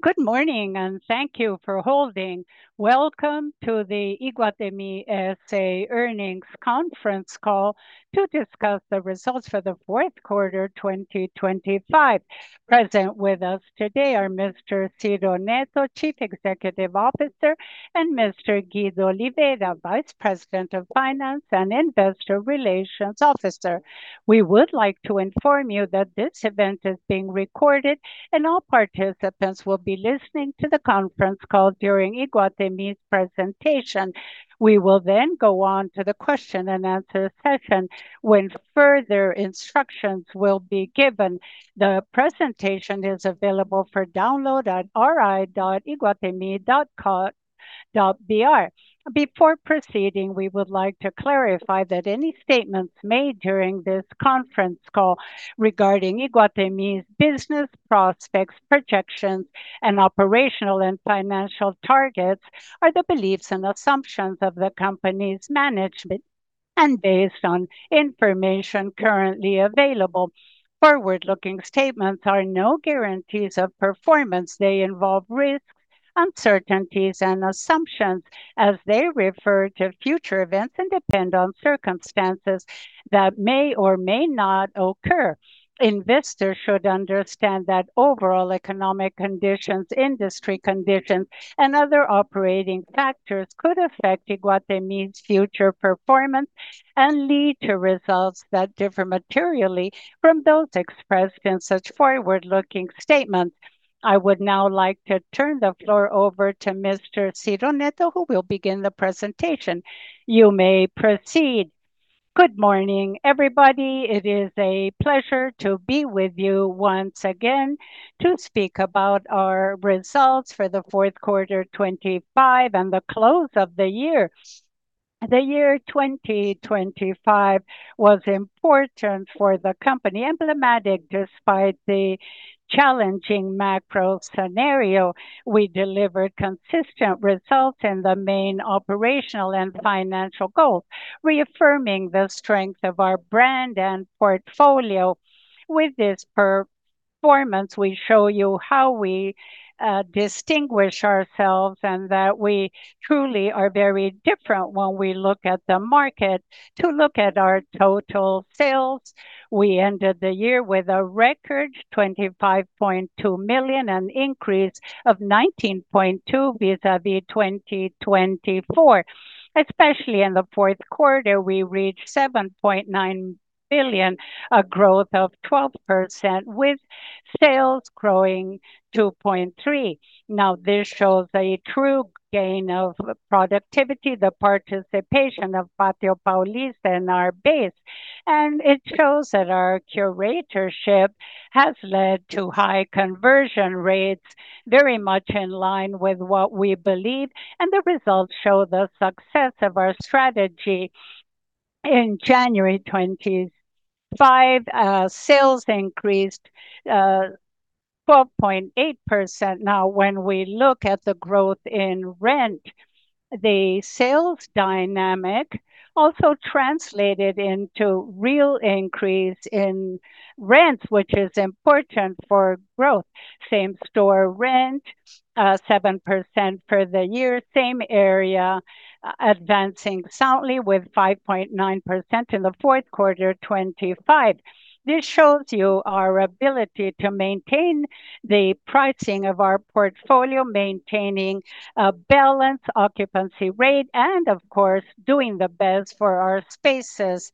Good morning, and thank you for holding. Welcome to the Iguatemi S.A. Earnings Conference Call to discuss the results for the fourth quarter, 2025. Present with us today are Mr. Ciro Neto, Chief Executive Officer, and Mr. Guido Oliveira, Vice President of Finance and Investor Relations Officer. We would like to inform you that this event is being recorded, and all participants will be listening to the conference call during Iguatemi's presentation. We will then go on to the question-and-answer session, when further instructions will be given. The presentation is available for download at ri.iguatemi.com.br. Before proceeding, we would like to clarify that any statements made during this conference call regarding Iguatemi's business prospects, projections, and operational and financial targets are the beliefs and assumptions of the company's management, and based on information currently available. Forward-looking statements are no guarantees of performance. They involve risks, uncertainties, and assumptions as they refer to future events and depend on circumstances that may or may not occur. Investors should understand that overall economic conditions, industry conditions, and other operating factors could affect Iguatemi's future performance and lead to results that differ materially from those expressed in such forward-looking statements. I would now like to turn the floor over to Mr. Ciro Neto, who will begin the presentation. You may proceed. Good morning, everybody. It is a pleasure to be with you once again to speak about our results for the fourth quarter, 2025, and the close of the year. The year 2025 was important for the company. Emblematic, despite the challenging macro scenario, we delivered consistent results in the main operational and financial goals, reaffirming the strength of our brand and portfolio. With this performance, we show you how we distinguish ourselves and that we truly are very different when we look at the market. To look at our total sales, we ended the year with a record 25.2 million, an increase of 19.2% vis-à-vis 2024. Especially in the fourth quarter, we reached 7.9 billion, a growth of 12%, with sales growing 2.3%. This shows a true gain of productivity, the participation of Pátio Paulista in our base, and it shows that our curatorship has led to high conversion rates, very much in line with what we believe, and the results show the success of our strategy. In January 2025, sales increased 12.8%. When we look at the growth in rent, the sales dynamic also translated into real increase in rents, which is important for growth. Same-store rent, 7% for the year, same area, advancing soundly with 5.9% in the fourth quarter 2025. This shows you our ability to maintain the pricing of our portfolio, maintaining a balanced occupancy rate, and of course, doing the best for our spaces.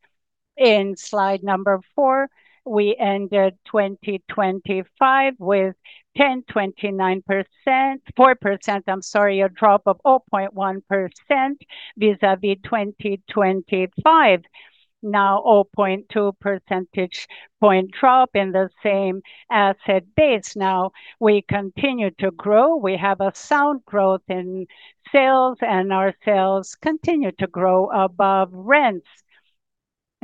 In slide number four, we ended 2025 with 4%, a drop of 0.1% vis-à-vis 2025. 0.2 percentage point drop in the same asset base. We continue to grow. We have a sound growth in sales, and our sales continue to grow above rents.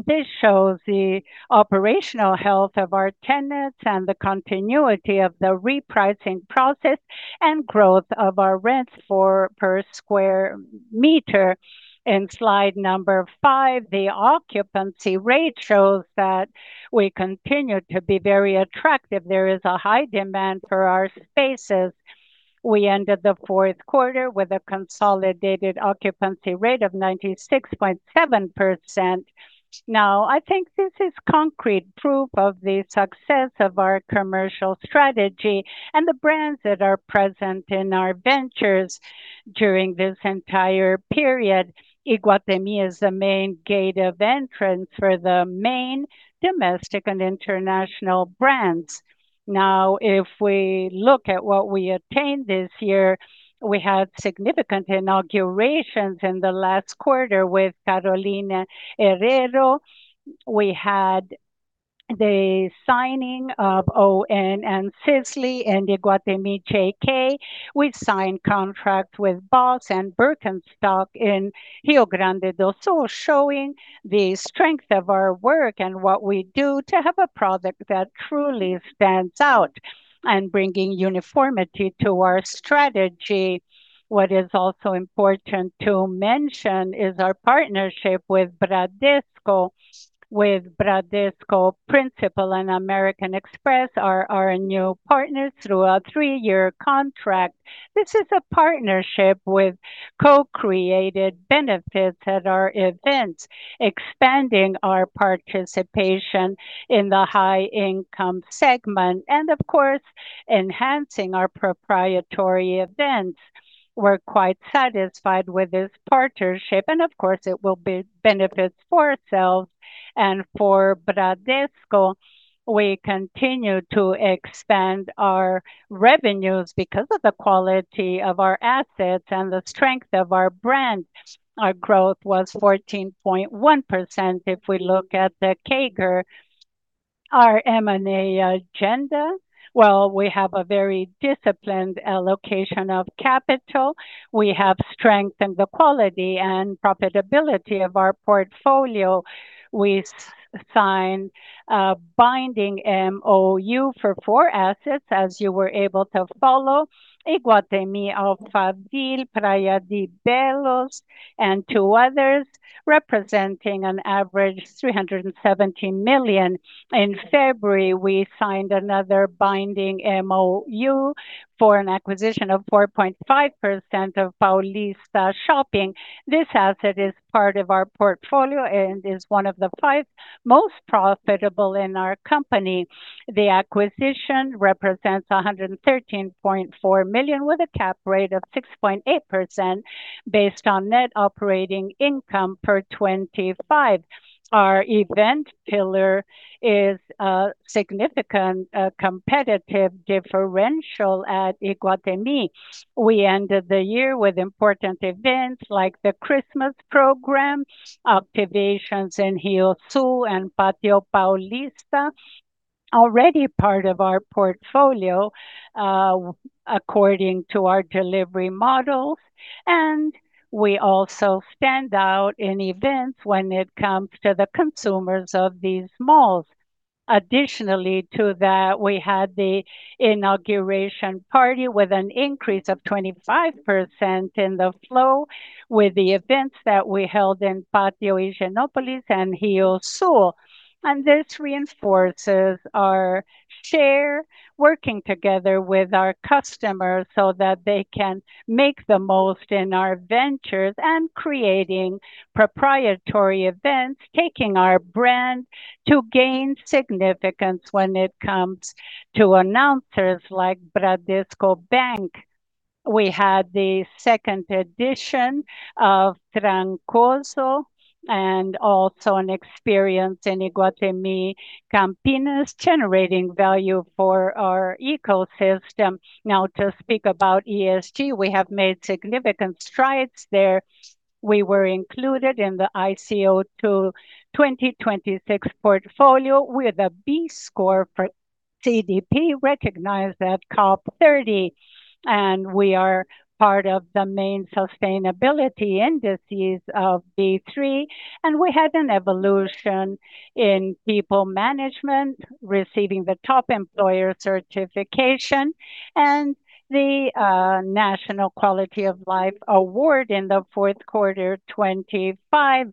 This shows the operational health of our tenants and the continuity of the repricing process and growth of our rents for per square meter. In slide number five, the occupancy rate shows that we continue to be very attractive. There is a high demand for our spaces. We ended the fourth quarter with a consolidated occupancy rate of 96.7%. I think this is concrete proof of the success of our commercial strategy and the brands that are present in our ventures during this entire period. Iguatemi is the main gate of entrance for the main domestic and international brands. If we look at what we attained this year, we had significant inaugurations in the last quarter with Carolina Herrera. We had the signing of ON and Sisley in Iguatemi JK. We've signed contracts with BOSS and BIRKENSTOCK in Rio Grande do Sul, showing the strength of our work and what we do to have a product that truly stands out and bringing uniformity to our strategy. What is also important to mention is our partnership with Bradesco. With Bradesco Principal and American Express are our new partners through a three-year contract. This is a partnership with co-created benefits at our events, expanding our participation in the high-income segment and, of course, enhancing our proprietary events. We're quite satisfied with this partnership, and of course, it will be benefits for ourselves and for Bradesco. We continue to expand our revenues because of the quality of our assets and the strength of our brand. Our growth was 14.1% if we look at the CAGR. Our M&A agenda, well, we have a very disciplined allocation of capital. We have strengthened the quality and profitability of our portfolio. We signed a binding MOU for four assets, as you were able to follow, Iguatemi Alphaville, Praia de Belas, and two others, representing an average 317 million. In February, we signed another binding MOU for an acquisition of 4.5% of Paulista Shopping. This asset is part of our portfolio and is one of the five most profitable in our company. The acquisition represents 113.4 million, with a cap rate of 6.8%, based on net operating income per 25. Our event pillar is a significant competitive differential at Iguatemi. We ended the year with important events like the Christmas program, activations in RIOSUL and Pátio Paulista, already part of our portfolio, according to our delivery models, and we also stand out in events when it comes to the consumers of these malls. Additionally to that, we had the inauguration party with an increase of 25% in the flow with the events that we held in Pátio Higienópolis and RIOSUL. This reinforces our share, working together with our customers so that they can make the most in our ventures, and creating proprietary events, taking our brand to gain significance when it comes to announcers like Bradesco. We had the second edition of Trancoso and also an experience in Iguatemi Campinas, generating value for our ecosystem. Now, to speak about ESG, we have made significant strides there. We were included in the ICO2 2026 portfolio, with a B score for CDP, recognized at COP30. We are part of the main sustainability indices of B3. We had an evolution in people management, receiving the Top Employer certification and the National Quality of Life Award in the fourth quarter 2025.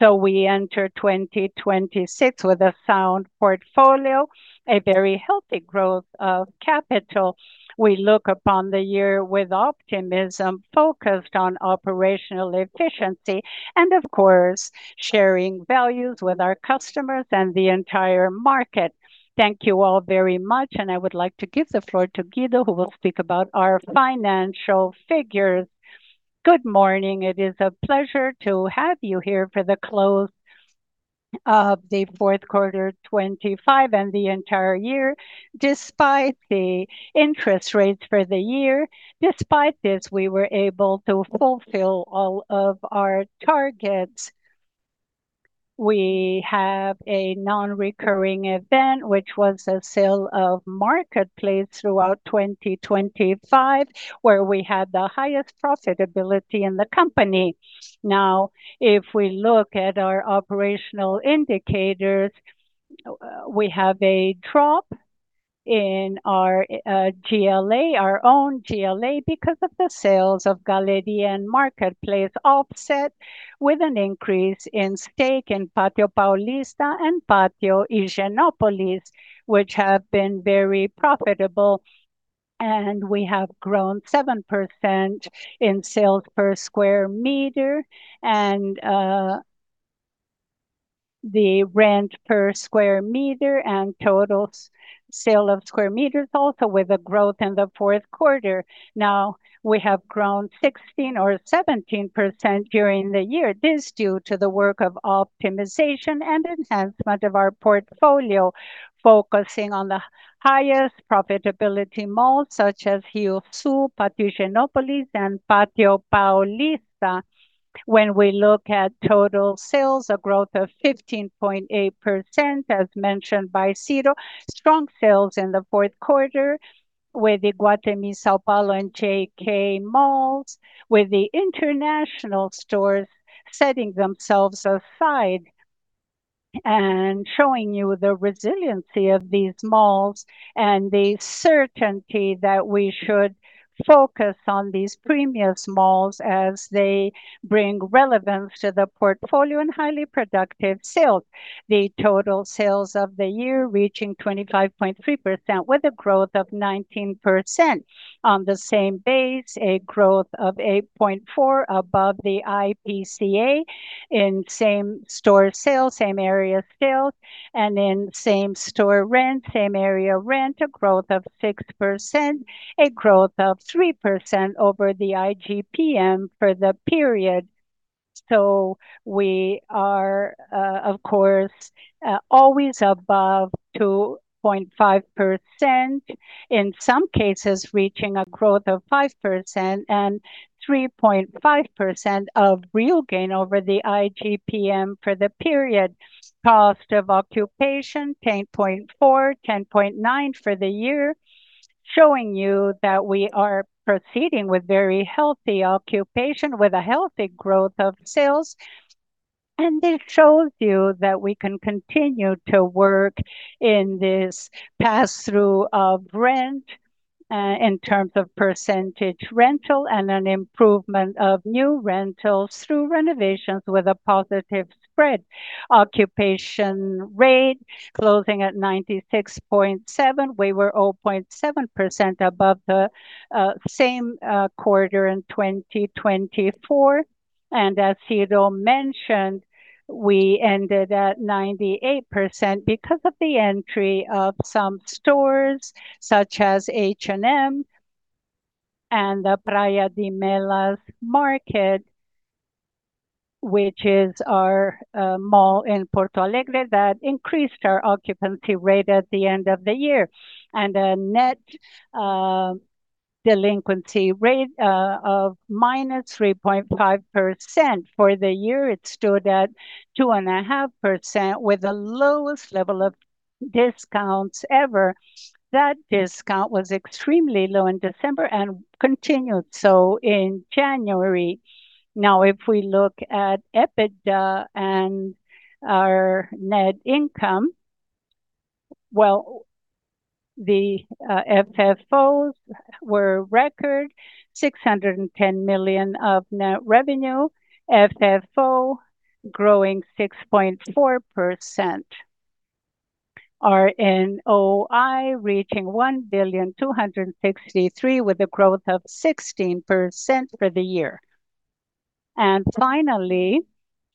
We enter 2026 with a sound portfolio, a very healthy growth of capital. We look upon the year with optimism, focused on operational efficiency and, of course, sharing values with our customers and the entire market. Thank you all very much, and I would like to give the floor to Guido, who will speak about our financial figures. Good morning. It is a pleasure to have you here for the close of the fourth quarter 2025 and the entire year. Despite the interest rates for the year, despite this, we were able to fulfill all of our targets. We have a non-recurring event, which was a sale of Marketplace throughout 2025, where we had the highest profitability in the company. If we look at our operational indicators, we have a drop in our GLA, our own GLA, because of the sales of Galleria and Marketplace, offset with an increase in stake in Pátio Paulista and Pátio Higienópolis, which have been very profitable. We have grown 7% in sales per square meter and the rent per square meter and total sale of square meters, also with a growth in the fourth quarter. We have grown 16% or 17% during the year. This is due to the work of optimization and enhancement of our portfolio, focusing on the highest profitability malls, such as RIOSUL, Pátio Higienópolis, and Pátio Paulista. When we look at total sales, a growth of 15.8%, as mentioned by Ciro. Strong sales in the fourth quarter with Iguatemi São Paulo and JK malls, with the international stores setting themselves aside and showing you the resiliency of these malls, and the certainty that we should focus on these premium malls as they bring relevance to the portfolio and highly productive sales. The total sales of the year reaching 25.3%, with a growth of 19%. On the same base, a growth of 8.4% above the IPCA in same-store sales, same-area sales, and in same-store rent, same-area rent, a growth of 6%, a growth of 3% over the IGPM for the period. We are, of course, always above 2.5%, in some cases, reaching a growth of 5% and 3.5% of real gain over the IGPM for the period. Cost of occupation, 10.4%, 10.9% for the year, showing you that we are proceeding with very healthy occupation, with a healthy growth of sales. It shows you that we can continue to work in this pass-through of rent, in terms of percentage rental and an improvement of new rentals through renovations with a positive spread. Occupation rate closing at 96.7%. We were 0.7% above the same quarter in 2024. As Ciro mentioned, we ended at 98% because of the entry of some stores, such as H&M and the Praia de Belas Market, which is our mall in Porto Alegre, that increased our occupancy rate at the end of the year. A net delinquency rate of -3.5%. For the year, it stood at 2.5%, with the lowest level of discounts ever. That discount was extremely low in December and continued so in January. If we look at EBITDA and our net income, the FFOs were record, 610 million of net revenue, FFO growing 6.4%. RNOI reaching 1.263 billion with a growth of 16% for the year. Finally,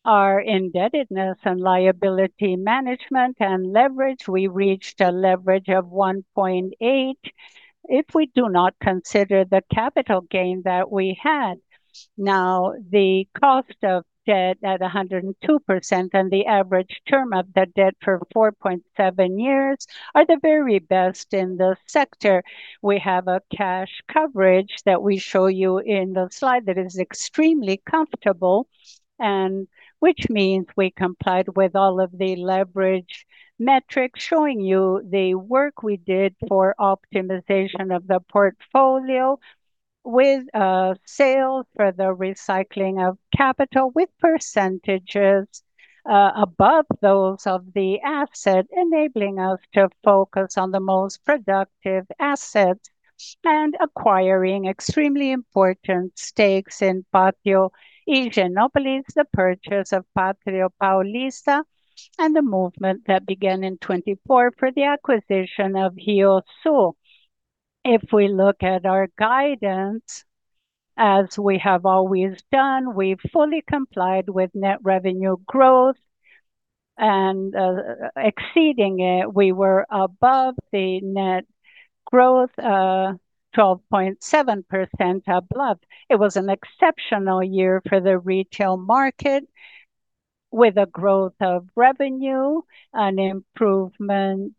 our indebtedness and liability management and leverage, we reached a leverage of 1.8 if we do not consider the capital gain that we had. The cost of debt at 102% and the average term of the debt for 4.7 years are the very best in the sector. We have a cash coverage that we show you in the slide that is extremely comfortable, which means we complied with all of the leverage metrics, showing you the work we did for optimization of the portfolio with sales, for the recycling of capital, with percentages above those of the asset, enabling us to focus on the most productive assets, and acquiring extremely important stakes in Pátio Higienópolis, the purchase of Pátio Paulista, and the movement that began in 2024 for the acquisition of RIOSULl. If we look at our guidance, as we have always done, we've fully complied with net revenue growth and exceeding it. We were above the net growth, 12.7% above. It was an exceptional year for the retail market, with a growth of revenue, an improvement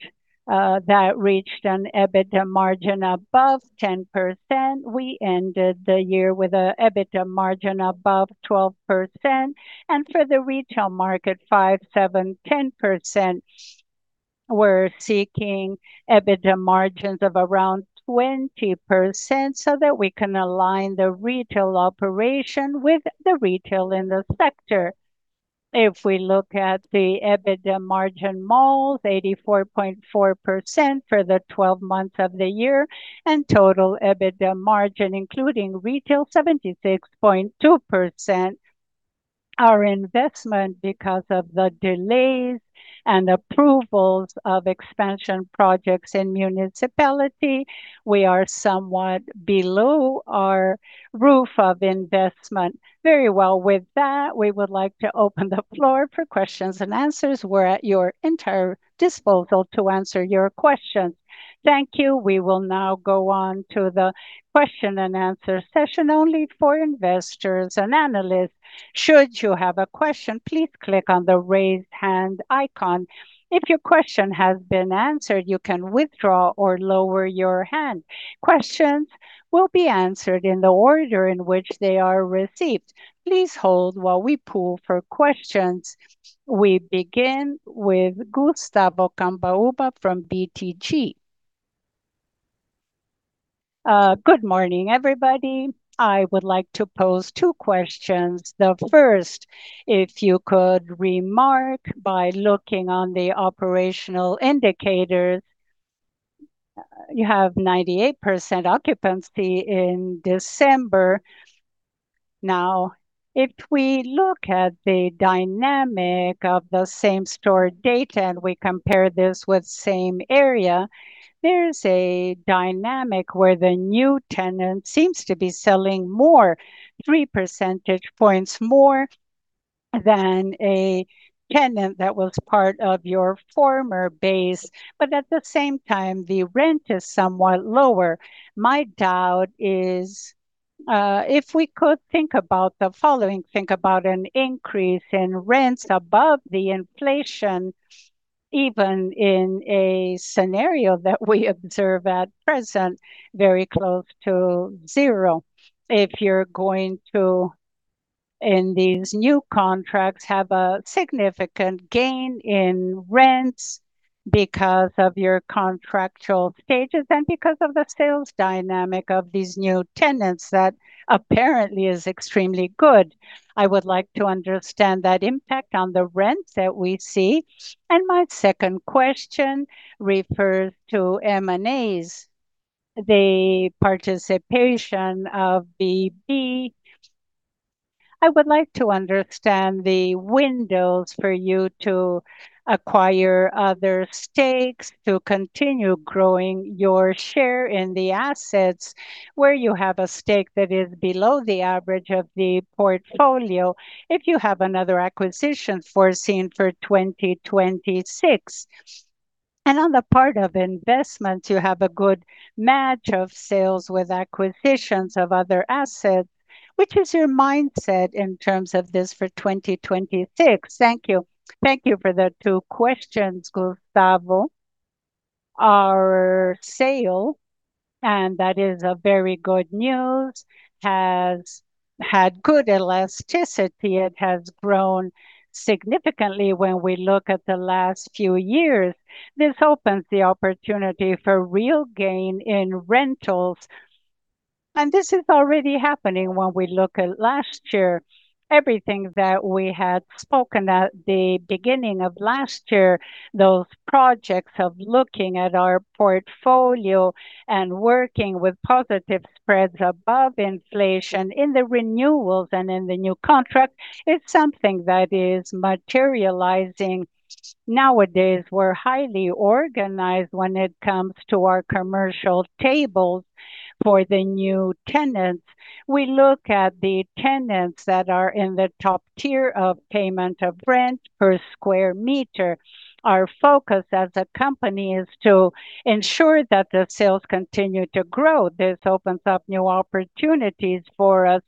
that reached an EBITDA margin above 10%. We ended the year with an EBITDA margin above 12%, and for the retail market, 5%, 7%, 10%. We're seeking EBITDA margins of around 20%, so that we can align the retail operation with the retail in the sector. If we look at the EBITDA margin malls, 84.4% for the 12 months of the year, and total EBITDA margin, including retail, 76.2%. Our investment, because of the delays and approvals of expansion projects in municipality, we are somewhat below our roof of investment. Very well. With that, we would like to open the floor for questions and answers. We're at your entire disposal to answer your questions. Thank you. We will now go on to the question and answer session only for investors and analysts. Should you have a question, please click on the Raise Hand icon. If your question has been answered, you can withdraw or lower your hand. Questions will be answered in the order in which they are received. Please hold while we pool for questions. We begin with Gustavo Cambaúva from BTG. Good morning, everybody. I would like to pose two questions. The first, if you could remark by looking on the operational indicators, you have 98% occupancy in December. If we look at the dynamic of the same store data, and we compare this with same area, there is a dynamic where the new tenant seems to be selling more, 3 percentage points more than a tenant that was part of your former base. At the same time, the rent is somewhat lower. My doubt is, if we could think about the following, think about an increase in rents above the inflation, even in a scenario that we observe at present, very close to zero. If you're going to, in these new contracts, have a significant gain in rents because of your contractual stages and because of the sales dynamic of these new tenants, that apparently is extremely good. I would like to understand that impact on the rents that we see. My second question refers to M&As, the participation of BB. I would like to understand the windows for you to acquire other stakes, to continue growing your share in the assets, where you have a stake that is below the average of the portfolio, if you have another acquisition foreseen for 2026. On the part of investments, you have a good match of sales with acquisitions of other assets. Which is your mindset in terms of this for 2026? Thank you. Thank you for the two questions, Gustavo. Our sale, and that is a very good news, has had good elasticity. It has grown significantly when we look at the last few years. This opens the opportunity for real gain in rentals, and this is already happening when we look at last year. Everything that we had spoken at the beginning of last year, those projects of looking at our portfolio and working with positive spreads above inflation in the renewals and in the new contract, is something that is materializing. Nowadays, we're highly organized when it comes to our commercial tables for the new tenants. We look at the tenants that are in the top tier of payment of rent per square meter. Our focus as a company is to ensure that the sales continue to grow. This opens up new opportunities for us,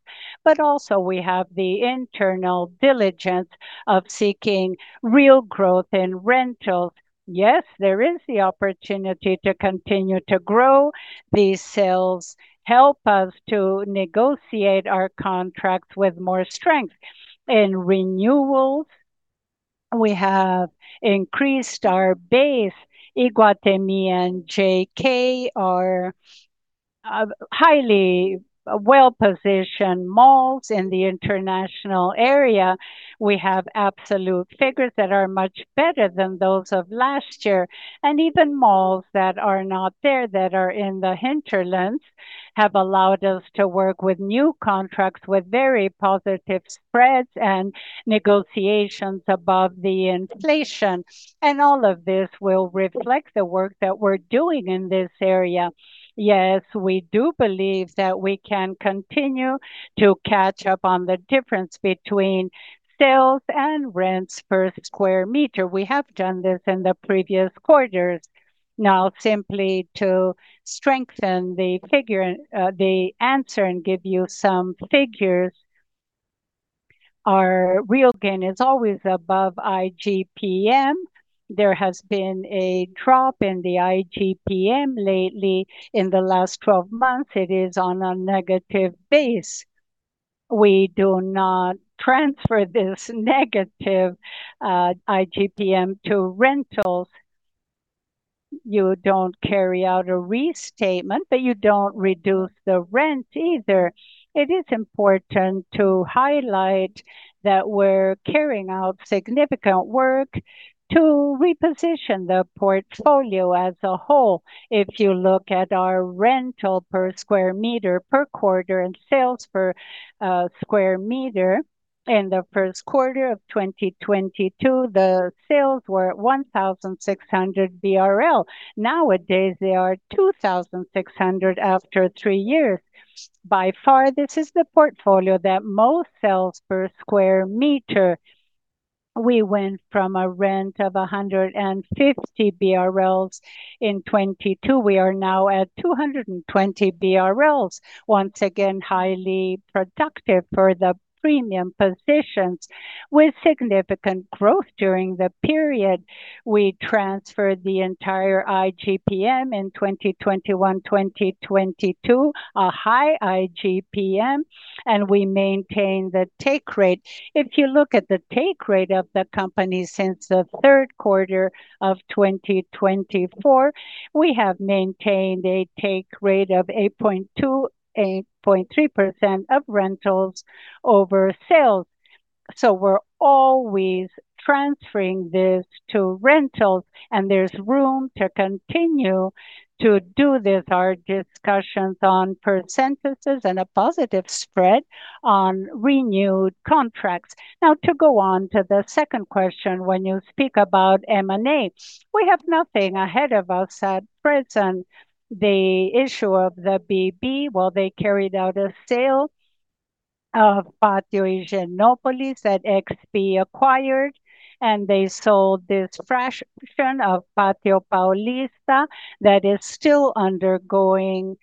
but also we have the internal diligence of seeking real growth in rentals. Yes, there is the opportunity to continue to grow. These sales help us to negotiate our contracts with more strength. In renewals, we have increased our base. Iguatemi and JK are highly well-positioned malls in the international area. We have absolute figures that are much better than those of last year. Even malls that are not there, that are in the hinterlands, have allowed us to work with new contracts with very positive spreads and negotiations above the inflation. All of this will reflect the work that we're doing in this area. Yes, we do believe that we can continue to catch up on the difference between sales and rents per square meter. We have done this in the previous quarters. Simply to strengthen the figure, the answer, and give you some figures, our real gain is always above IGPM. There has been a drop in the IGPM lately. In the last 12 months, it is on a negative base. We do not transfer this negative IGPM to rentals. You don't carry out a restatement, but you don't reduce the rent either. It is important to highlight that we're carrying out significant work to reposition the portfolio as a whole. If you look at our rental per square meter per quarter, and sales per square meter in the first quarter of 2022, the sales were at 1,600 BRL. Nowadays, they are 2,600 after three years. By far, this is the portfolio that most sells per square meter. We went from a rent of 150 BRL in 2022, we are now at 220 BRL. Once again, highly productive for the premium positions with significant growth during the period. We transferred the entire IGPM in 2021, 2022, a high IGPM, and we maintained the take rate. If you look at the take rate of the company since the third quarter of 2024, we have maintained a take rate of 8.2%, 8.3% of rentals over sales. We're always transferring this to rentals, and there's room to continue to do this. Our discussions on percentages and a positive spread on renewed contracts. To go on to the second question, when you speak about M&A, we have nothing ahead of us at present. The issue of the BB, well, they carried out a sale of Pátio Higienópolis that XP acquired, and they sold this fraction of Pátio Paulista that is still undergoing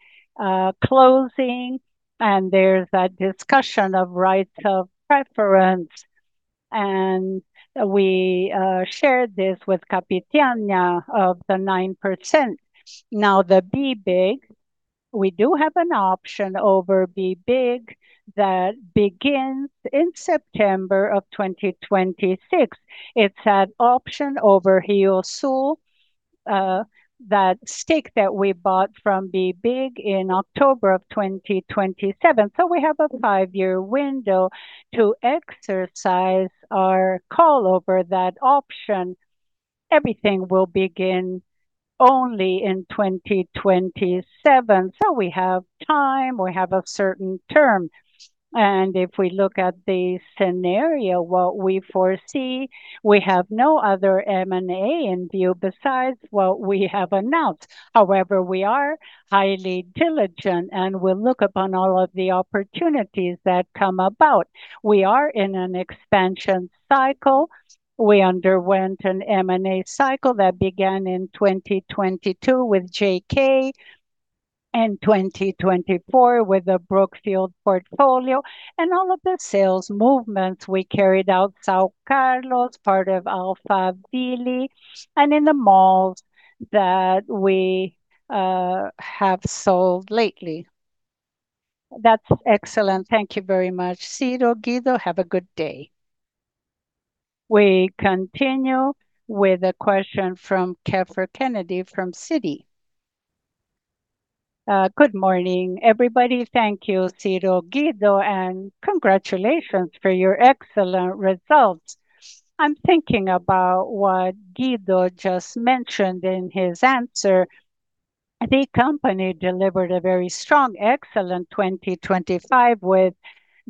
closing, and there's a discussion of rights of preference. We shared this with Capitânia of the 9%. The BBIG, we do have an option over BBIG that begins in September of 2026. It's an option over RIOSUL, that stake that we bought from BIG in October of 2027. We have a five-year window to exercise our call over that option. Everything will begin only in 2027, so we have time, we have a certain term. If we look at the scenario, what we foresee, we have no other M&A in view besides what we have announced. We are highly diligent, and we'll look upon all of the opportunities that come about. We are in an expansion cycle. We underwent an M&A cycle that began in 2022 with JK, and 2024 with the Brookfield portfolio, and all of the sales movements we carried out, São Carlos, part of Alphaville, and in the malls that we have sold lately. Excellent. Thank you very much, Ciro, Guido. Have a good day. We continue with a question from Kiepher Kennedy from Citi. Good morning, everybody. Congratulations for your excellent results. I'm thinking about what Guido just mentioned in his answer. The company delivered a very strong, excellent 2025 with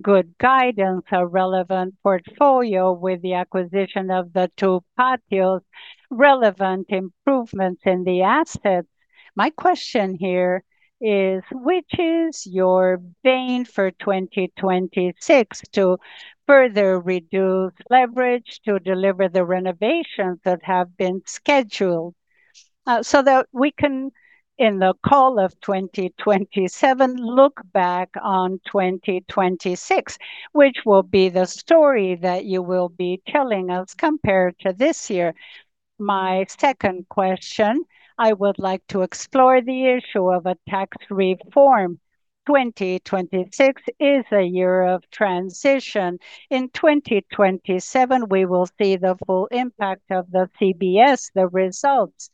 good guidance, a relevant portfolio with the acquisition of the two Patios, relevant improvements in the assets. My question here is: Which is your bane for 2026 to further reduce leverage to deliver the renovations that have been scheduled, so that we can, in the call of 2027, look back on 2026, which will be the story that you will be telling us compared to this year? My second question, I would like to explore the issue of a tax reform. 2026 is a year of transition. In 2027, we will see the full impact of the CBS, the results.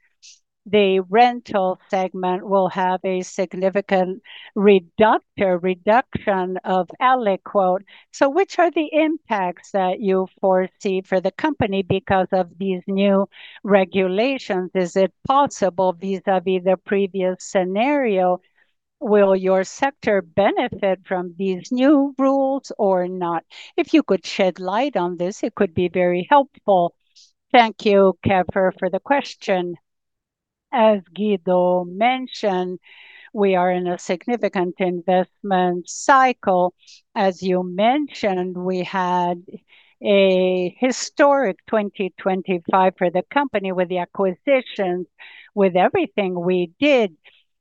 The rental segment will have a significant reduction of aliquot. Which are the impacts that you foresee for the company because of these new regulations? Is it possible, vis-à-vis the previous scenario, will your sector benefit from these new rules or not? If you could shed light on this, it could be very helpful. Thank you, Kiepher, for the question. As Guido mentioned, we are in a significant investment cycle. As you mentioned, we had a historic 2025 for the company with the acquisitions, with everything we did.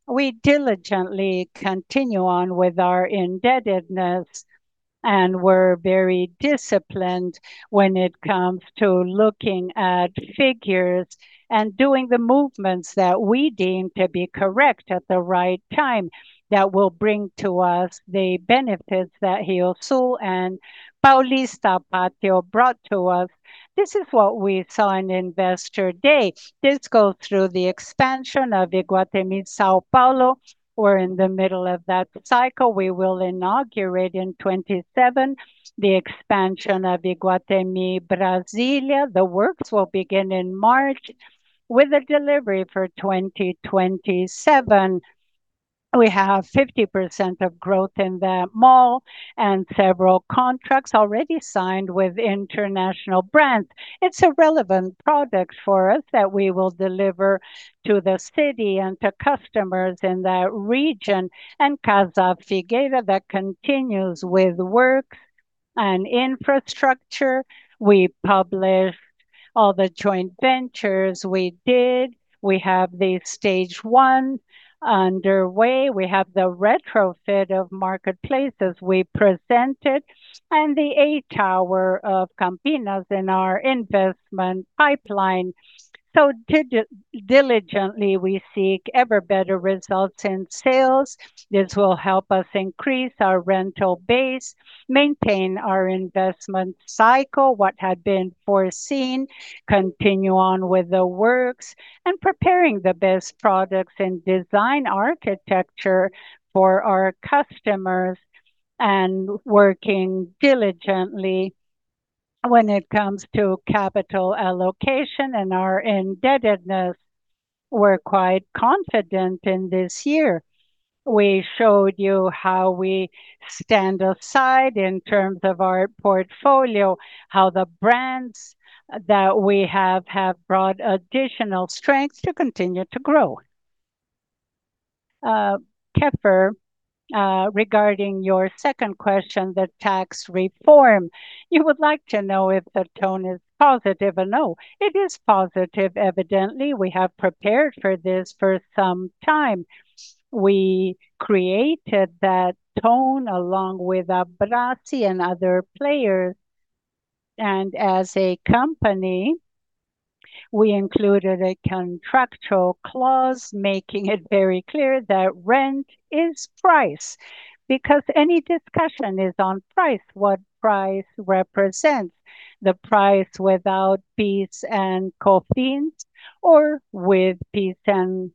We diligently continue on with our indebtedness, we're very disciplined when it comes to looking at figures and doing the movements that we deem to be correct at the right time, that will bring to us the benefits that RIOSUL and Paulista Pátio brought to us. This is what we saw in Investor Day. This go through the expansion of Iguatemi São Paulo. We're in the middle of that cycle. We will inaugurate in 2027 the expansion of Iguatemi Brasília. The works will begin in March, with a delivery for 2027. We have 50% of growth in that mall and several contracts already signed with international brands. It's a relevant product for us that we will deliver to the city and to customers in that region. Casa Figueira that continues with work and infrastructure. We published all the joint ventures we did. We have the stage one underway. We have the retrofit of Marketplace we presented, and the A Tower of Campinas in our investment pipeline. Diligently, we seek ever better results in sales. This will help us increase our rental base, maintain our investment cycle, what had been foreseen, continue on with the works, and preparing the best products and design architecture for our customers, and working diligently when it comes to capital allocation and our indebtedness. We're quite confident in this year. We showed you how we stand aside in terms of our portfolio, how the brands that we have brought additional strength to continue to grow. Kiepher, regarding your second question, the tax reform. You would like to know if the tone is positive or no? It is positive. Evidently, we have prepared for this for some time. We created that tone along with Abras and other players. As a company, we included a contractual clause making it very clear that rent is price. Any discussion is on price, what price represents. The price without PIS and COFINS, or with PIS and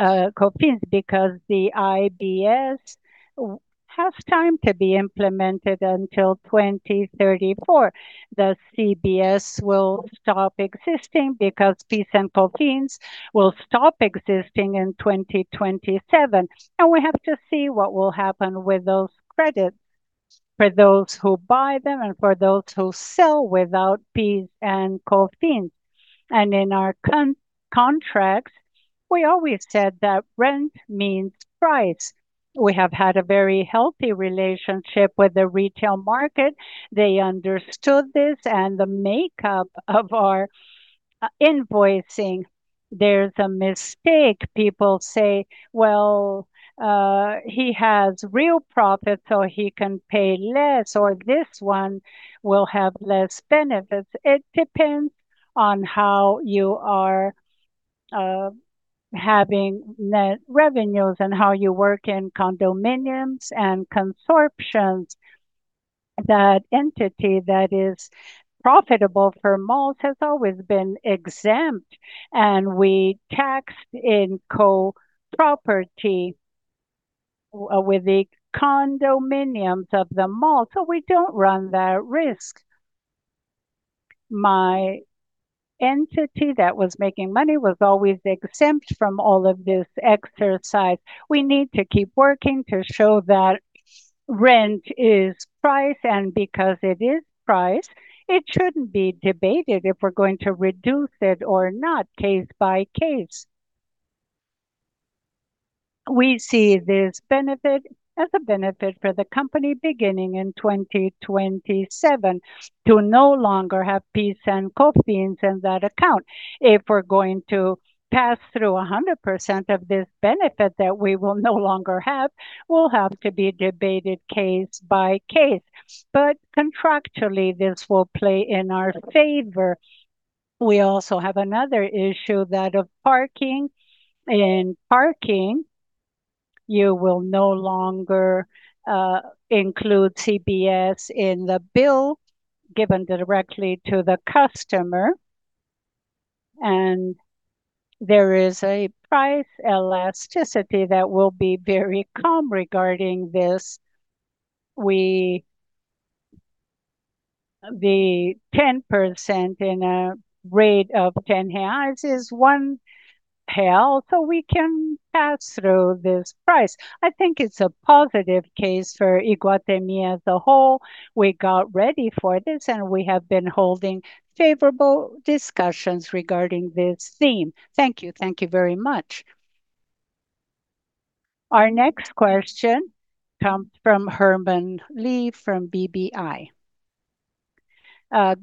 COFINS, because the IBS has time to be implemented until 2034. The CBS will stop existing because PIS and COFINS will stop existing in 2027, and we have to see what will happen with those credits for those who buy them and for those who sell without PIS and COFINS. In our contracts, we always said that rent means price. We have had a very healthy relationship with the retail market. They understood this and the makeup of our invoicing. There's a mistake. People say, "Well, he has real profit, so he can pay less, or this one will have less benefits." It depends on how you are having net revenues and how you work in condominiums and constructions. That entity that is profitable for malls has always been exempt. We taxed in co-property with the condominiums of the mall. We don't run that risk. My entity that was making money was always exempt from all of this exercise. We need to keep working to show that rent is price. Because it is price, it shouldn't be debated if we're going to reduce it or not, case by case. We see this benefit as a benefit for the company beginning in 2027, to no longer have PIS and COFINS in that account. If we're going to pass through 100% of this benefit that we will no longer have, will have to be debated case by case. Contractually, this will play in our favor. We also have another issue, that of parking. In parking, you will no longer include CBS in the bill given directly to the customer. There is a price elasticity that will be very calm regarding this. The 10% in a rate of 10 halves is one pale. We can pass through this price. I think it's a positive case for Iguatemi as a whole. We got ready for this, and we have been holding favorable discussions regarding this theme. Thank you. Thank you very much. Our next question comes from Herman Lee, from BBI.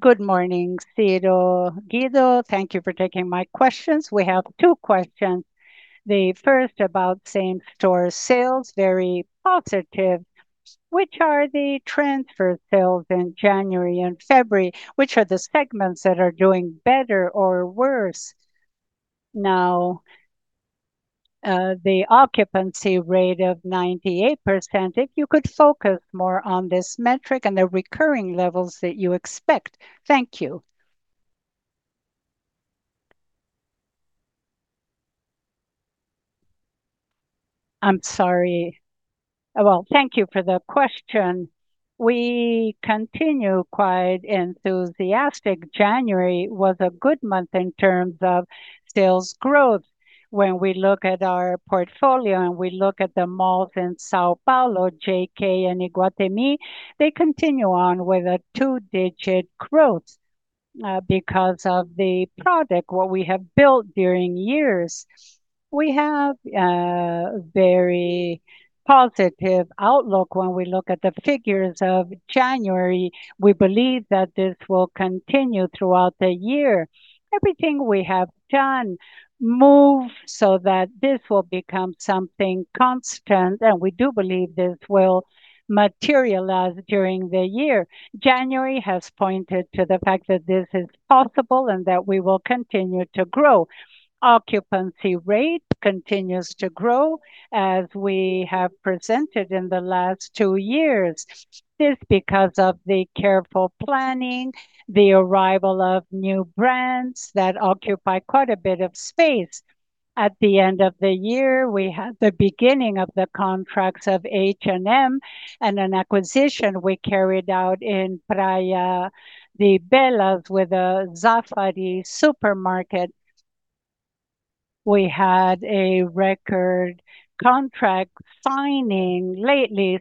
Good morning, Ciro, Guido. Thank you for taking my questions. We have two questions. The first about same-store sales, very positive. Which are the transfer sales in January and February? Which are the segments that are doing better or worse? Now, the occupancy rate of 98%, if you could focus more on this metric and the recurring levels that you expect. Thank you. I'm sorry. Well, thank you for the question. We continue quite enthusiastic. January was a good month in terms of sales growth. When we look at our portfolio and we look at the malls in São Paulo, JK and Iguatemi, they continue on with a two-digit growth because of the product, what we have built during years. We have a very positive outlook when we look at the figures of January. We believe that this will continue throughout the year. Everything we have done move so that this will become something constant, and we do believe this will materialize during the year. January has pointed to the fact that this is possible and that we will continue to grow. Occupancy rate continues to grow as we have presented in the last two years. This because of the careful planning, the arrival of new brands that occupy quite a bit of space. At the end of the year, we had the beginning of the contracts of H&M and an acquisition we carried out in Praia de Belas with a Zaffari supermarket. We had a record contract signing lately.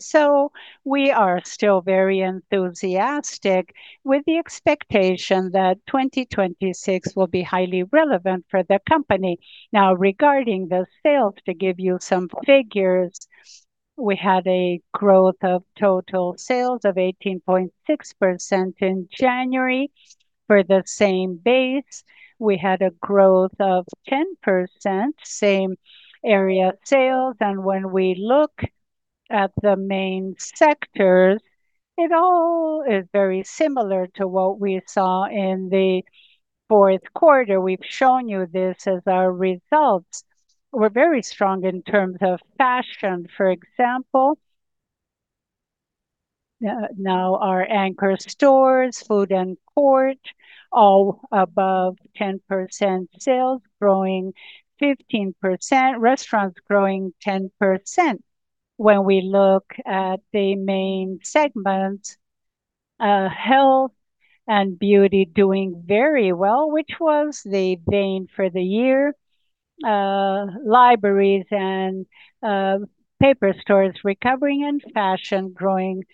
We are still very enthusiastic with the expectation that 2026 will be highly relevant for the company. Now, regarding the sales, to give you some figures, we had a growth of total sales of 18.6% in January. For the same base, we had a growth of 10%, same area sales. When we look at the main sectors, it all is very similar to what we saw in the fourth quarter. We've shown you this as our results. We're very strong in terms of fashion, for example. Now, our anchor stores, food and court, all above 10% sales, growing 15%, restaurants growing 10%. When we look at the main segments, health and beauty doing very well, which was the bane for the year. Libraries and paper stores recovering, and fashion growing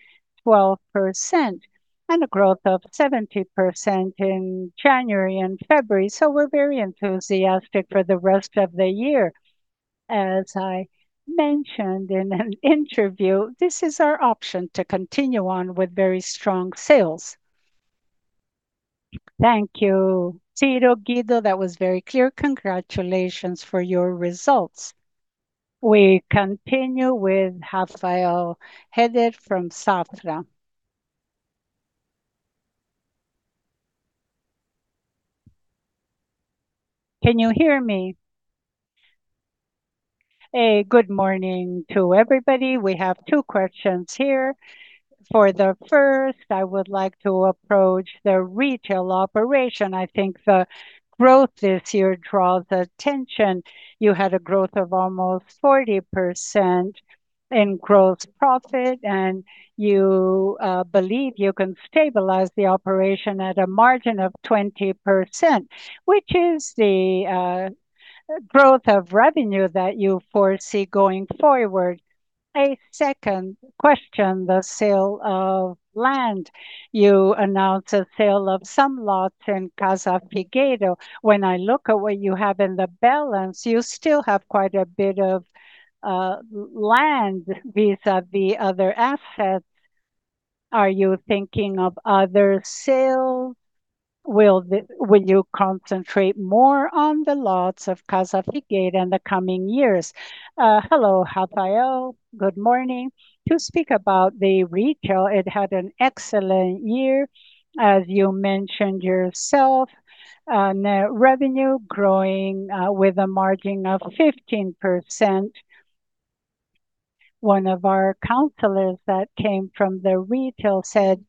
12%, and a growth of 70% in January and February. We're very enthusiastic for the rest of the year. As I mentioned in an interview, this is our option to continue on with very strong sales. Thank you, Ciro, Guido, that was very clear. Congratulations for your results. We continue with Rafael Rehder from Safra. Can you hear me? A good morning to everybody. We have two questions here. For the first, I would like to approach the retail operation. I think the growth this year draws attention. You had a growth of almost 40% in gross profit, and you believe you can stabilize the operation at a margin of 20%. Which is the growth of revenue that you foresee going forward? A second question, the sale of land. You announced a sale of some lots in Casa Figueira. When I look at what you have in the balance, you still have quite a bit of land vis-à-vis other assets. Are you thinking of other sales? Will you concentrate more on the lots of Casa Figueira in the coming years? Hello, Rafael. Good morning. To speak about the retail, it had an excellent year, as you mentioned yourself, net revenue growing, with a margin of 15%. One of our counselors that came from the retail said,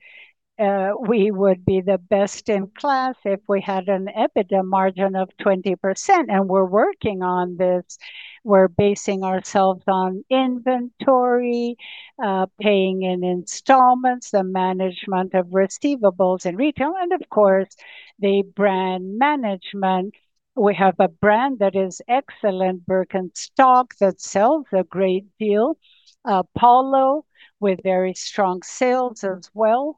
"We would be the best in class if we had an EBITDA margin of 20%." We're working on this. We're basing ourselves on inventory, paying in installments, the management of receivables in retail, of course, the brand management. We have a brand that is excellent, BIRKENSTOCK, that sells a great deal. Polo, with very strong sales as well,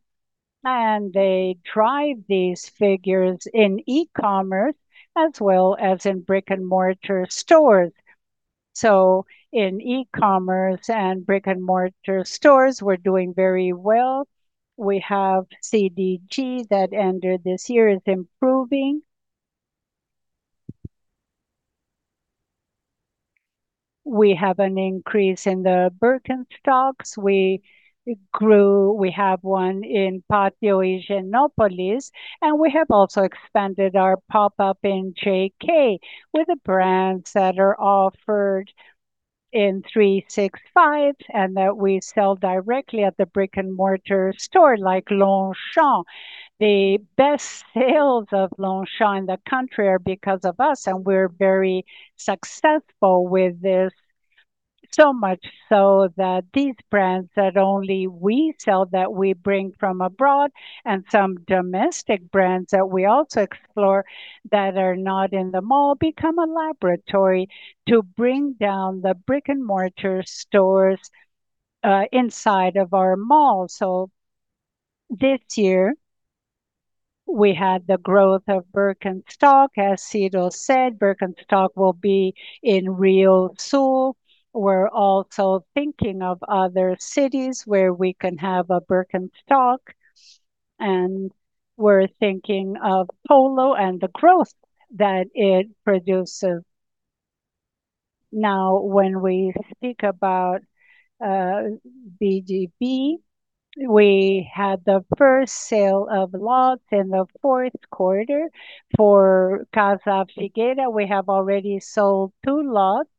they drive these figures in e-commerce as well as in brick-and-mortar stores. In e-commerce and brick-and-mortar stores, we're doing very well. We have CDG that ended this year is improving. We have an increase in the BIRKENSTOCKs. We grew... We have one in Pátio Higienópolis, and we have also expanded our pop-up in JK, with the brands that are offered in 365, and that we sell directly at the brick-and-mortar store, like Longchamp. The best sales of Longchamp in the country are because of us, and we're very successful with this. Much so that these brands that only we sell, that we bring from abroad, and some domestic brands that we also explore that are not in the mall, become a laboratory to bring down the brick-and-mortar stores inside of our mall. This year, we had the growth of BIRKENSTOCK. As Ciro said, BIRKENSTOCK will be in RIOSUL. We're also thinking of other cities where we can have a BIRKENSTOCK, and we're thinking of Polo and the growth that it produces. When we speak about BGP, we had the first sale of lots in the fourth quarter. For Casa Figueira, we have already sold two lots.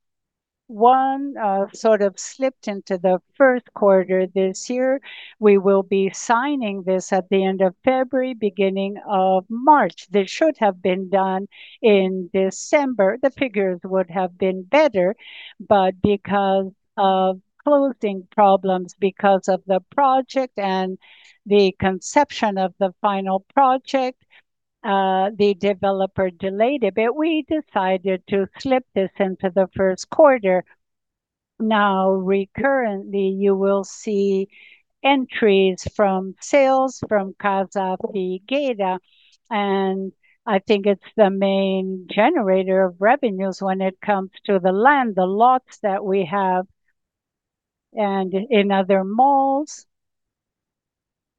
One sort of slipped into the first quarter this year. We will be signing this at the end of February, beginning of March. This should have been done in December. The figures would have been better, but because of closing problems, because of the project and the conception of the final project, the developer delayed it, but we decided to slip this into the first quarter. Recurrently, you will see entries from sales from Casa Figueira, and I think it's the main generator of revenues when it comes to the land, the lots that we have, and in other malls.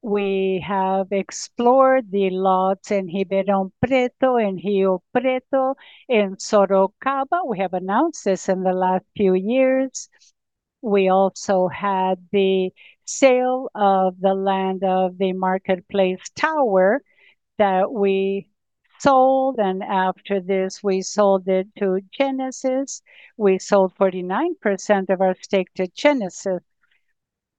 We have explored the lots in Ribeirão Preto, in Rio Preto, in Sorocaba. We have announced this in the last few years. We also had the sale of the land of the Marketplace Tower that we sold, and after this, we sold it to Genesis. We sold 49% of our stake to Genesis.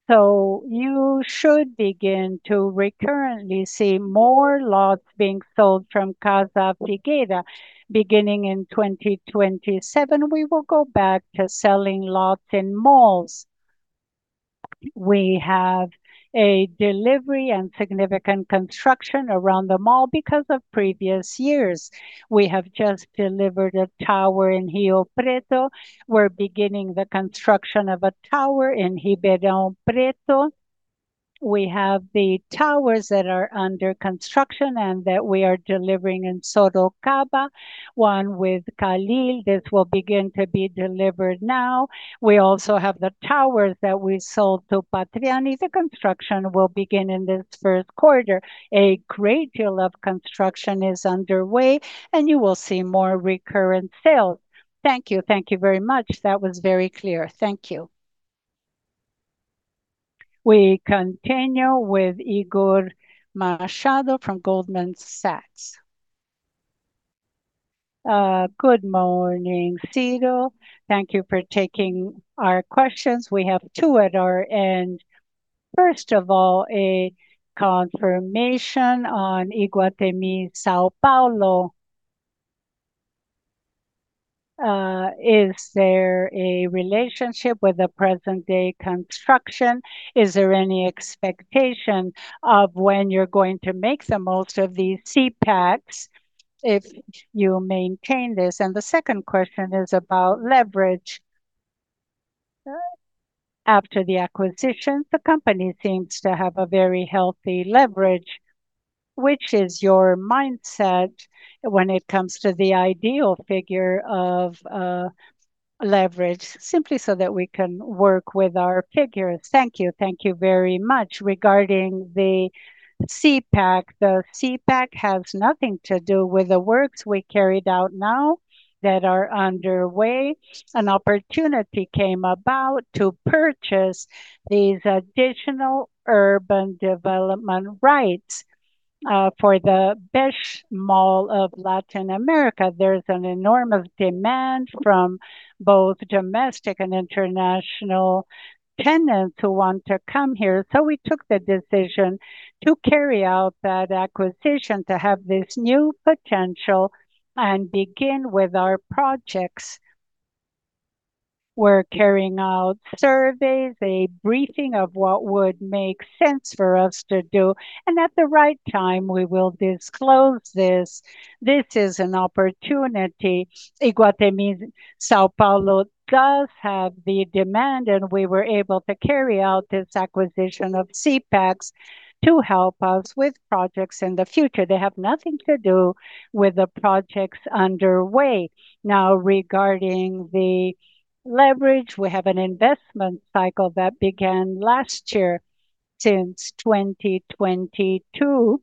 You should begin to recurrently see more lots being sold from Casa Figueira. Beginning in 2027, we will go back to selling lots in malls. We have a delivery and significant construction around the mall because of previous years. We have just delivered a tower in Rio Preto. We're beginning the construction of a tower in Ribeirão Preto. We have the towers that are under construction and that we are delivering in Sorocaba, one with Kalil. This will begin to be delivered now. We also have the towers that we sold to Patriani. The construction will begin in this first quarter. A great deal of construction is underway, and you will see more recurrent sales. Thank you. Thank you very much. That was very clear. Thank you. We continue with Igor Machado from Goldman Sachs. Good morning, Ciro. Thank you for taking our questions. We have two at our end. First of all, a confirmation on Iguatemi, São Paulo. Is there a relationship with the present-day construction? Is there any expectation of when you're going to make the most of these CEPACs if you maintain this? The second question is about leverage. After the acquisition, the company seems to have a very healthy leverage. Which is your mindset when it comes to the ideal figure of leverage? Simply so that we can work with our figures. Thank you. Thank you very much. Regarding the CEPAC, the CEPAC has nothing to do with the works we carried out now that are underway. An opportunity came about to purchase these additional urban development rights for the best mall of Latin America. There's an enormous demand from both domestic and international tenants who want to come here. We took the decision to carry out that acquisition, to have this new potential and begin with our projects. We're carrying out surveys, a briefing of what would make sense for us to do, and at the right time, we will disclose this. This is an opportunity. Iguatemi São Paulo does have the demand, and we were able to carry out this acquisition of CEPACs to help us with projects in the future. They have nothing to do with the projects underway. Regarding the leverage, we have an investment cycle that began last year. Since 2022,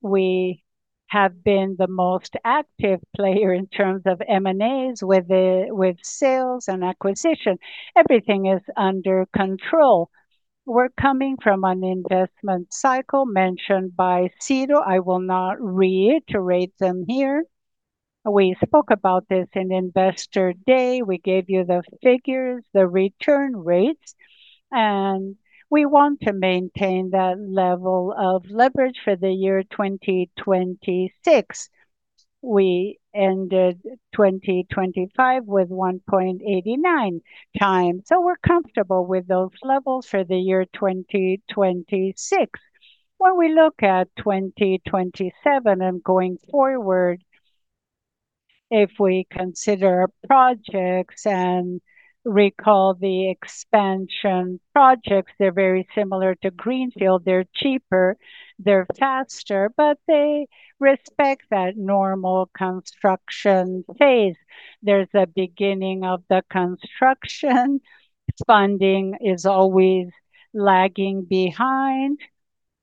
we have been the most active player in terms of M&As with sales and acquisition. Everything is under control. We're coming from an investment cycle mentioned by Ciro. I will not reiterate them here. We spoke about this in Investor Day. We gave you the figures, the return rates, and we want to maintain that level of leverage for the year 2026. We ended 2025 with 1.89 times, so we're comfortable with those levels for the year 2026. When we look at 2027 and going forward, if we consider projects and recall the expansion projects, they're very similar to greenfield. They're cheaper, they're faster, but they respect that normal construction phase. There's a beginning of the construction. Funding is always lagging behind.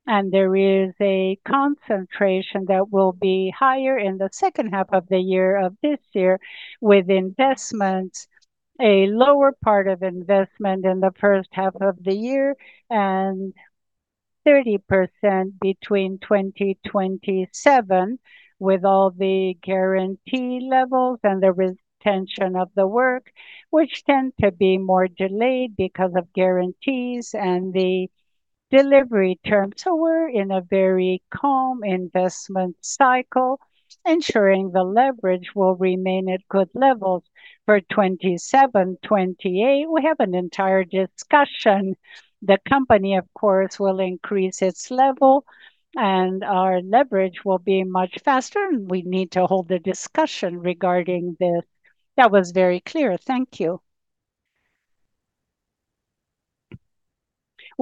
There is a concentration that will be higher in the second half of the year, of this year, with investments. A lower part of investment in the first half of the year, and 30% between 2027, with all the guarantee levels and the retention of the work, which tend to be more delayed because of guarantees and the delivery terms. We're in a very calm investment cycle, ensuring the leverage will remain at good levels. For 2027, 2028, we have an entire discussion. The company, of course, will increase its level. Our leverage will be much faster, and we need to hold a discussion regarding this. That was very clear. Thank you.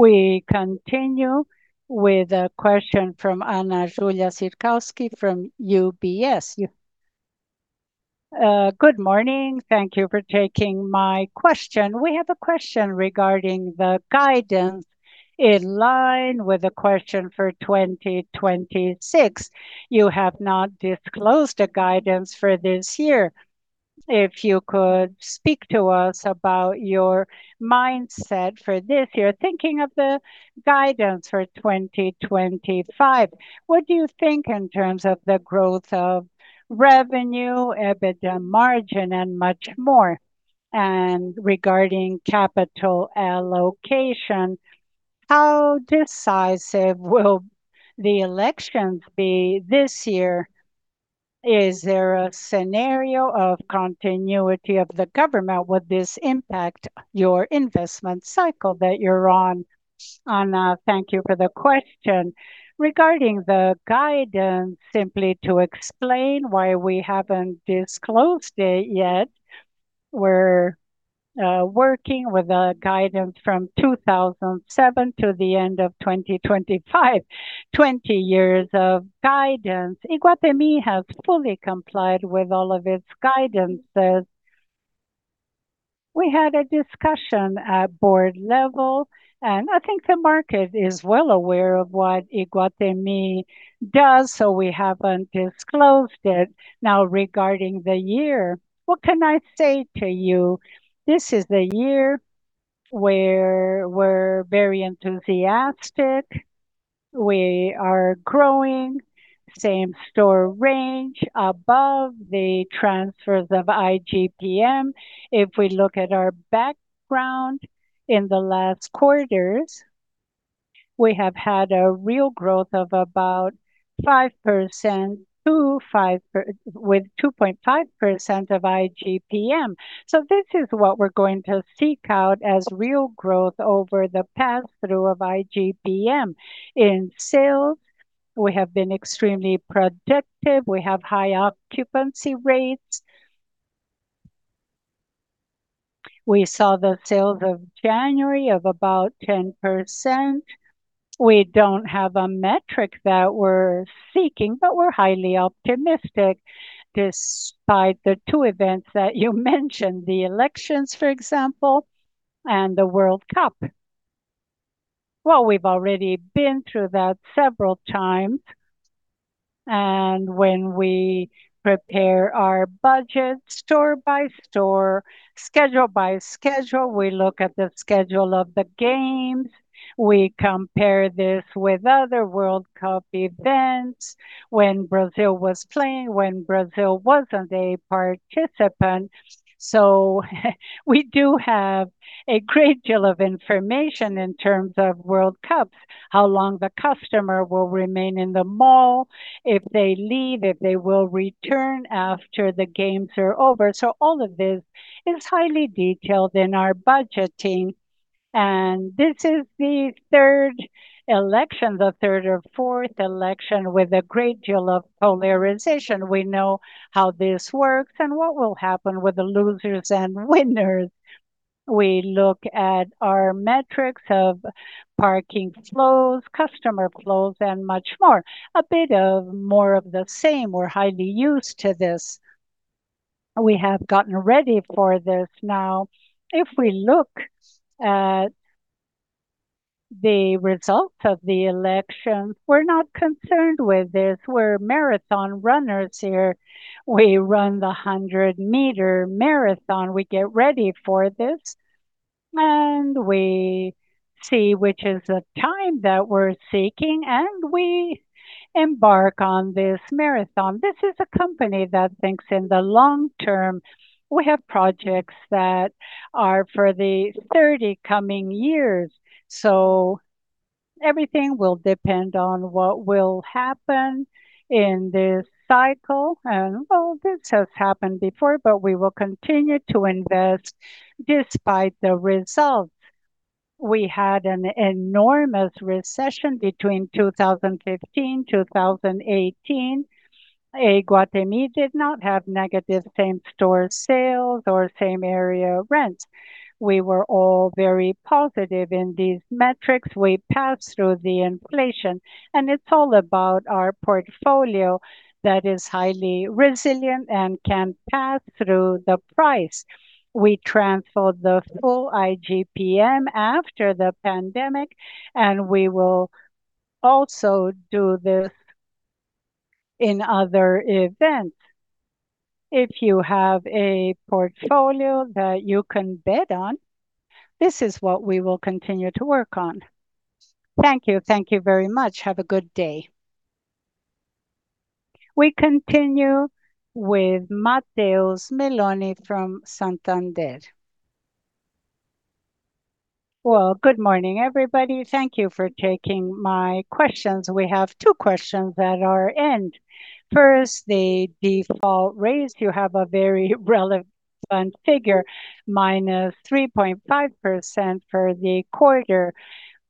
We continue with a question from Ana Julia Zerkowski from UBS. Good morning. Thank you for taking my question. We have a question regarding the guidance in line with the question for 2026. You have not disclosed the guidance for this year. If you could speak to us about your mindset for this year, thinking of the guidance for 2025, what do you think in terms of the growth of revenue, EBITDA margin, and much more? Regarding capital allocation, how decisive will the elections be this year? Is there a scenario of continuity of the government? Would this impact your investment cycle that you're on? Ana, thank you for the question. Regarding the guidance, simply to explain why we haven't disclosed it yet, we're working with a guidance from 2007 to the end of 2025, 20 years of guidance. Iguatemi has fully complied with all of its guidances. We had a discussion at board level, and I think the market is well aware of what Iguatemi does, so we haven't disclosed it. Now, regarding the year, what can I say to you? This is the year where we're very enthusiastic. We are growing same-store range above the transfers of IGPM. If we look at our background in the last quarters, we have had a real growth of about 5% with 2.5% of IGPM. This is what we're going to seek out as real growth over the pass-through of IGPM. In sales, we have been extremely protective. We have high occupancy rates. We saw the sales of January of about 10%. We don't have a metric that we're seeking, but we're highly optimistic, despite the two events that you mentioned, the elections, for example, and the World Cup. We've already been through that several times, and when we prepare our budget store by store, schedule by schedule, we look at the schedule of the games. We compare this with other World Cup events when Brazil was playing, when Brazil wasn't a participant. We do have a great deal of information in terms of World Cup, how long the customer will remain in the mall, if they leave, if they will return after the games are over. All of this is highly detailed in our budgeting, and this is the 3rd election, the 3rd or 4th election, with a great deal of polarization. We know how this works and what will happen with the losers and winners. We look at our metrics of parking flows, customer flows, and much more. A bit of more of the same. We're highly used to this. We have gotten ready for this. If we look at the results of the elections, we're not concerned with this. We're marathon runners here. We run the 100-meter marathon. We get ready for this, we see which is the time that we're seeking, and we embark on this marathon. This is a company that thinks in the long term. We have projects that are for the 30 coming years, everything will depend on what will happen in this cycle. Well, this has happened before, we will continue to invest despite the results. We had an enormous recession between 2015, 2018. Iguatemi did not have negative same-store sales or same area rents. We were all very positive in these metrics. We passed through the inflation, it's all about our portfolio that is highly resilient and can pass through the price. We transferred the full IGPM after the pandemic, we will also do this in other events. If you have a portfolio that you can bet on, this is what we will continue to work on. Thank you. Thank you very much. Have a good day. We continue with Matheus Meloni from Santander. Well, good morning, everybody. Thank you for taking my questions. We have two questions that are end. First, the default raise. You have a very relevant figure, minus 3.5% for the quarter.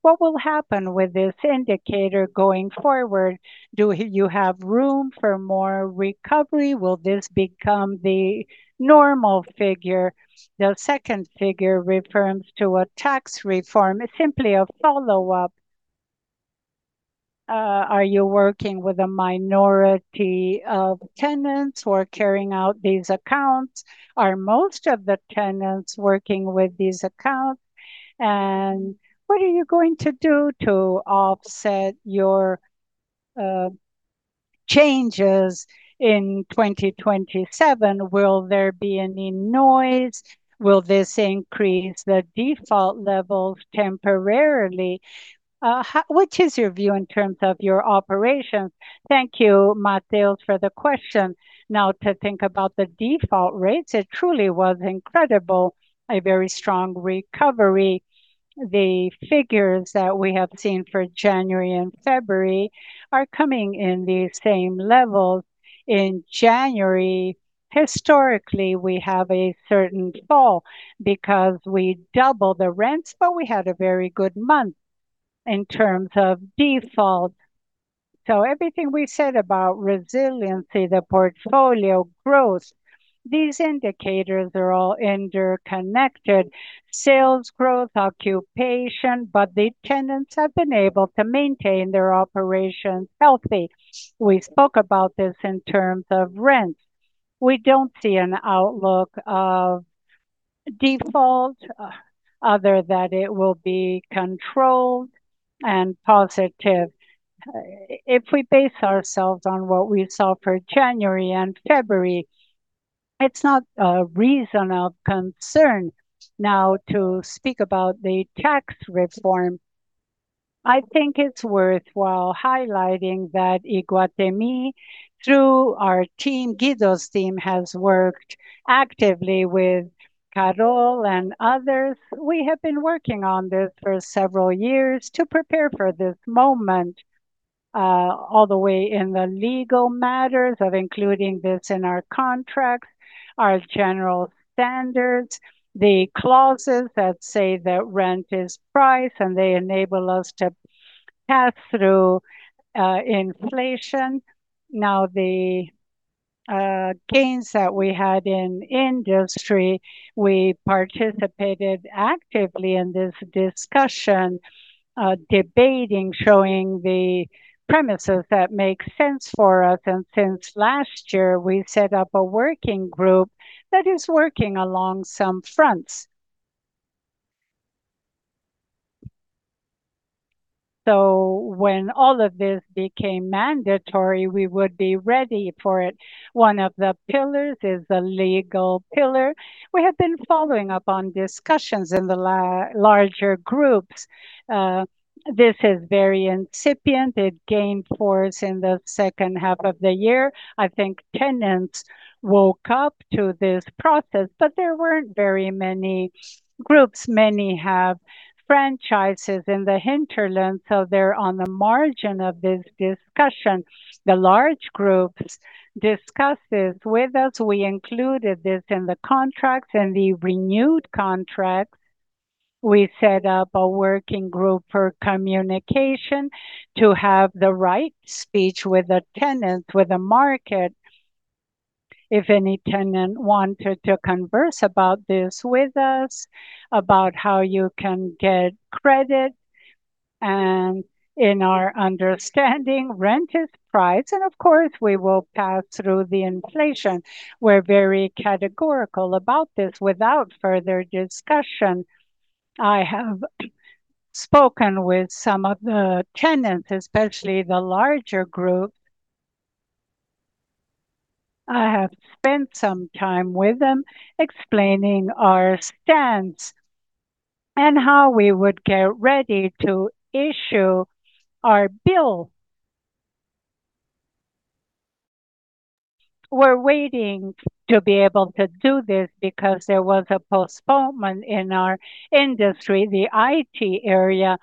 What will happen with this indicator going forward? Do you have room for more recovery? Will this become the normal figure? The second figure refers to a tax reform. It's simply a follow-up. Are you working with a minority of tenants who are carrying out these accounts? Are most of the tenants working with these accounts? What are you going to do to offset your changes in 2027? Will there be any noise? Will this increase the default levels temporarily? Which is your view in terms of your operations? Thank you, Mateus, for the question. To think about the default rates, it truly was incredible, a very strong recovery. The figures that we have seen for January and February are coming in the same levels. In January, historically, we have a certain fall because we double the rents, but we had a very good month in terms of default. Everything we said about resiliency, the portfolio growth, these indicators are all interconnected: sales growth, occupation, but the tenants have been able to maintain their operations healthy. We spoke about this in terms of rents. We don't see an outlook of default, other that it will be controlled and positive. If we base ourselves on what we saw for January and February, it's not a reason of concern. To speak about the tax reform, I think it's worthwhile highlighting that Iguatemi, through our team, Guido's team, has worked actively with Carol and others. We have been working on this for several years to prepare for this moment, all the way in the legal matters of including this in our contracts, our general standards, the clauses that say that rent is price, and they enable us to pass through inflation. The gains that we had in industry, we participated actively in this discussion, debating, showing the premises that make sense for us. Since last year, we set up a working group that is working along some fronts. When all of this became mandatory, we would be ready for it. One of the pillars is the legal pillar. We have been following up on discussions in the larger groups. This is very incipient. It gained force in the second half of the year. I think tenants woke up to this process. There weren't very many groups. Many have franchises in the hinterland, so they're on the margin of this discussion. The large groups discuss this with us. We included this in the contracts and the renewed contracts. We set up a working group for communication to have the right speech with the tenants, with the market. If any tenant wanted to converse about this with us, about how you can get credit, in our understanding, rent is price, of course, we will pass through the inflation. We're very categorical about this. Without further discussion, I have spoken with some of the tenants, especially the larger group. I have spent some time with them explaining our stance and how we would get ready to issue our bill. We're waiting to be able to do this because there was a postponement in our industry. The IT area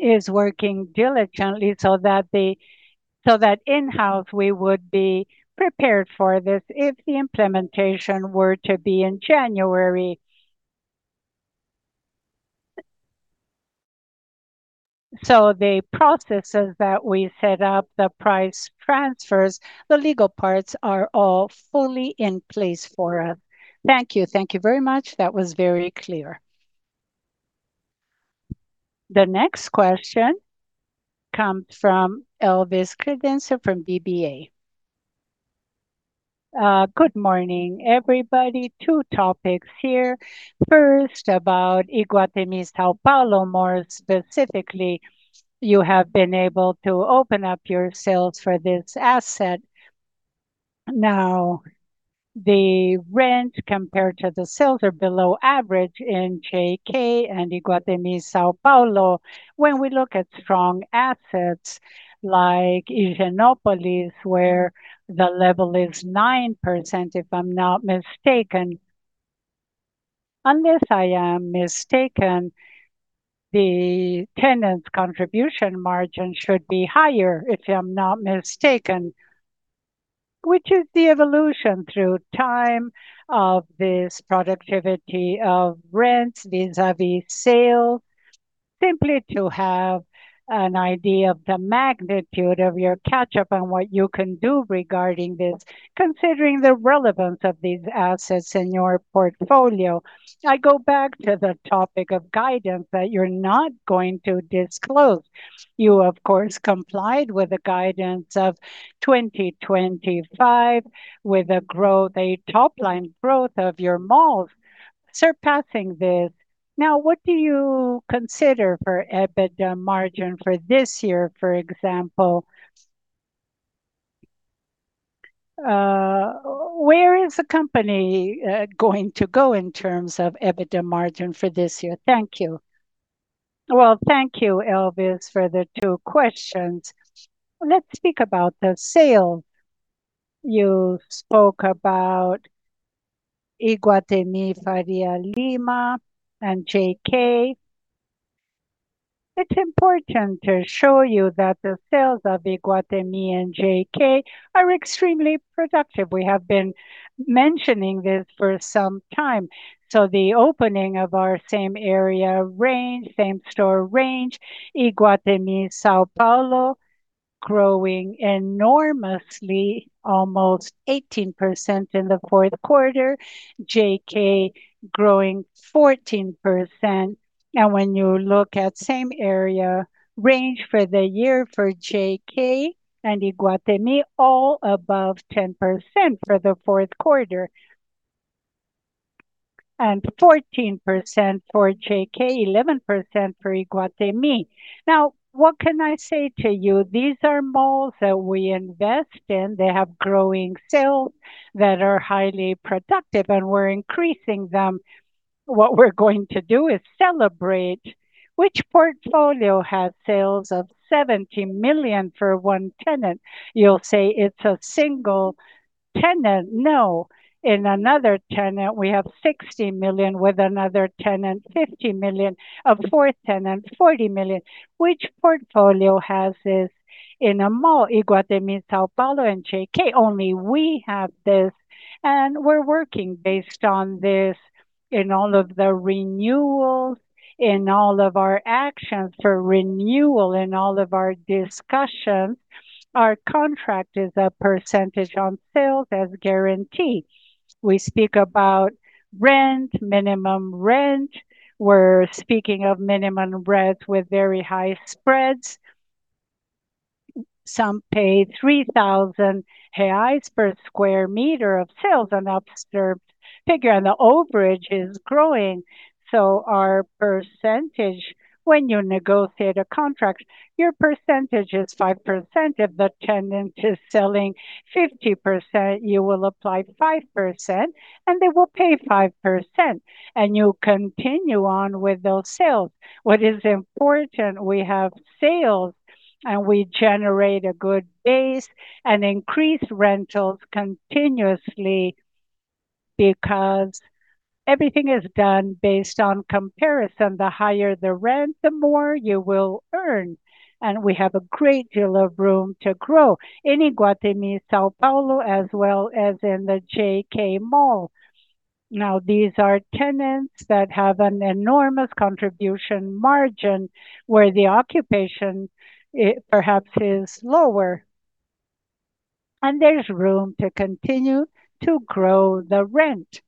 is working diligently so that in-house, we would be prepared for this if the implementation were to be in January. The processes that we set up, the price transfers, the legal parts are all fully in place for us. Thank you. Thank you very much. That was very clear. The next question comes from Elvis Credendio from BBA. Good morning, everybody. Two topics here. First, about Iguatemi São Paulo, more specifically, you have been able to open up your sales for this asset. Now, the rent compared to the sales are below average in JK and Iguatemi São Paulo. When we look at strong assets like Higienópolis, where the level is 9%, if I'm not mistaken, unless I am mistaken, the tenant's contribution margin should be higher, if I'm not mistaken. Which is the evolution through time of this productivity of rents vis-à-vis sale? Simply to have an idea of the magnitude of your catch-up and what you can do regarding this, considering the relevance of these assets in your portfolio. I go back to the topic of guidance that you're not going to disclose. You, of course, complied with the guidance of 2025, with a top-line growth of your malls surpassing this. What do you consider for EBITDA margin for this year, for example? Where is the company going to go in terms of EBITDA margin for this year? Thank you. Thank you, Elvis, for the two questions. Let's speak about the sale. You spoke about Iguatemi Faria Lima and JK. It's important to show you that the sales of Iguatemi and JK are extremely productive. We have been mentioning this for some time. The opening of our same area range, same store range, Iguatemi, São Paulo, growing enormously, almost 18% in the fourth quarter. JK growing 14%. When you look at same area range for the year for JK and Iguatemi, all above 10% for the fourth quarter, and 14% for JK, 11% for Iguatemi. What can I say to you? These are malls that we invest in. They have growing sales that are highly productive, and we're increasing them. What we're going to do is celebrate which portfolio has sales of 70 million for one tenant. You'll say it's a single tenant. No, in another tenant, we have 60 million, with another tenant, 50 million. A fourth tenant, 40 million. Which portfolio has this in a mall? Iguatemi, São Paulo, and JK. Only we have this, and we're working based on this in all of the renewals, in all of our actions for renewal, in all of our discussions. Our contract is a percentage on sales as guaranteed. We speak about rent, minimum rent. We're speaking of minimum rent with very high spreads. Some pay 3,000 reais per square meter of sales, an observed figure, and the overage is growing. Our percentage, when you negotiate a contract, your percentage is 5%. If the tenant is selling 50%, you will apply 5%, and they will pay 5%, and you'll continue on with those sales. What is important, we have sales, and we generate a good base and increase rentals continuously because everything is done based on comparison. The higher the rent, the more you will earn, we have a great deal of room to grow in Iguatemi, São Paulo, as well as in the JK mall. These are tenants that have an enormous contribution margin, where the occupation, it perhaps is lower, there's room to continue to grow the rent.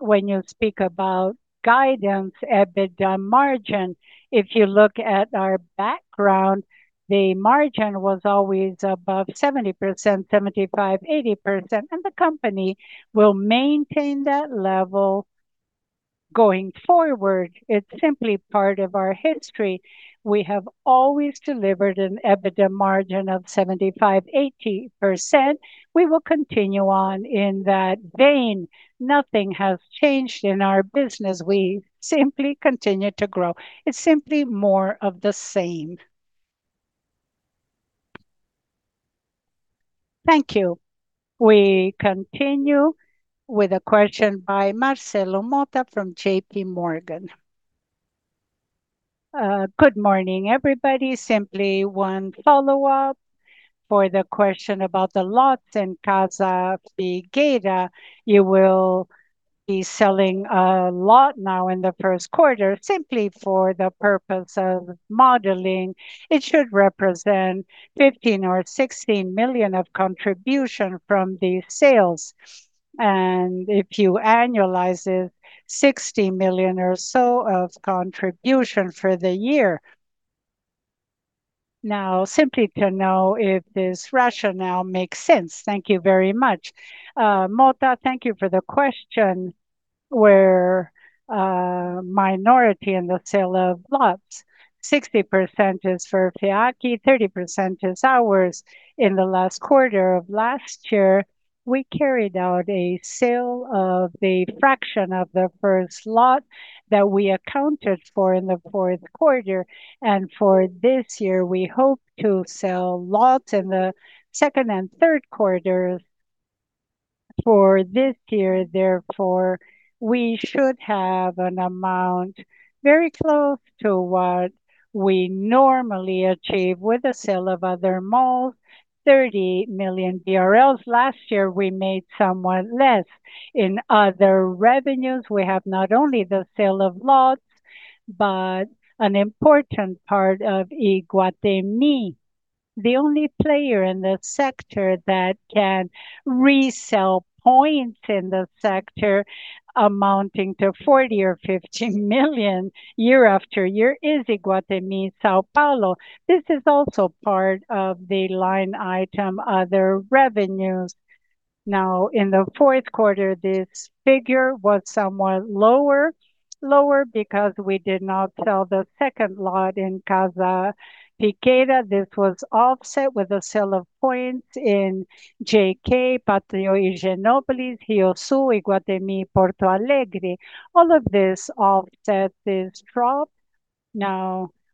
When you speak about guidance, EBITDA margin, if you look at our background, the margin was always above 70%, 75%-80%, the company will maintain that level going forward. It's simply part of our history. We have always delivered an EBITDA margin of 75%-80%. We will continue on in that vein. Nothing has changed in our business. We simply continue to grow. It's simply more of the same. Thank you. We continue with a question by Marcelo Motta from JPMorgan. Good morning, everybody. Simply one follow-up for the question about the lots in Casa Figueira. You will be selling a lot now in the first quarter simply for the purpose of modeling. It should represent 15 million-16 million of contribution from the sales. If you annualize it, 60 million or so of contribution for the year. Simply to know if this rationale makes sense. Thank you very much. Mota, thank you for the question. We're a minority in the sale of lots. 60% is for FIAC, 30% is ours. In the last quarter of last year, we carried out a sale of the fraction of the first lot that we accounted for in the fourth quarter, and for this year, we hope to sell lots in the second and third quarters. For this year, therefore, we should have an amount very close to what. We normally achieve with the sale of other malls, 30 million BRL. Last year, we made somewhat less. In other revenues, we have not only the sale of lots, but an important part of Iguatemi. The only player in the sector that can resell points in the sector amounting to 40 million or 50 million year after year is Iguatemi, São Paulo. This is also part of the line item, other revenues. In the fourth quarter, this figure was somewhat lower because we did not sell the second lot in Casa Figueira. This was offset with the sale of points in JK, Pátio Higienópolis, RIOSUL, Iguatemi, Porto Alegre. All of this offset this drop.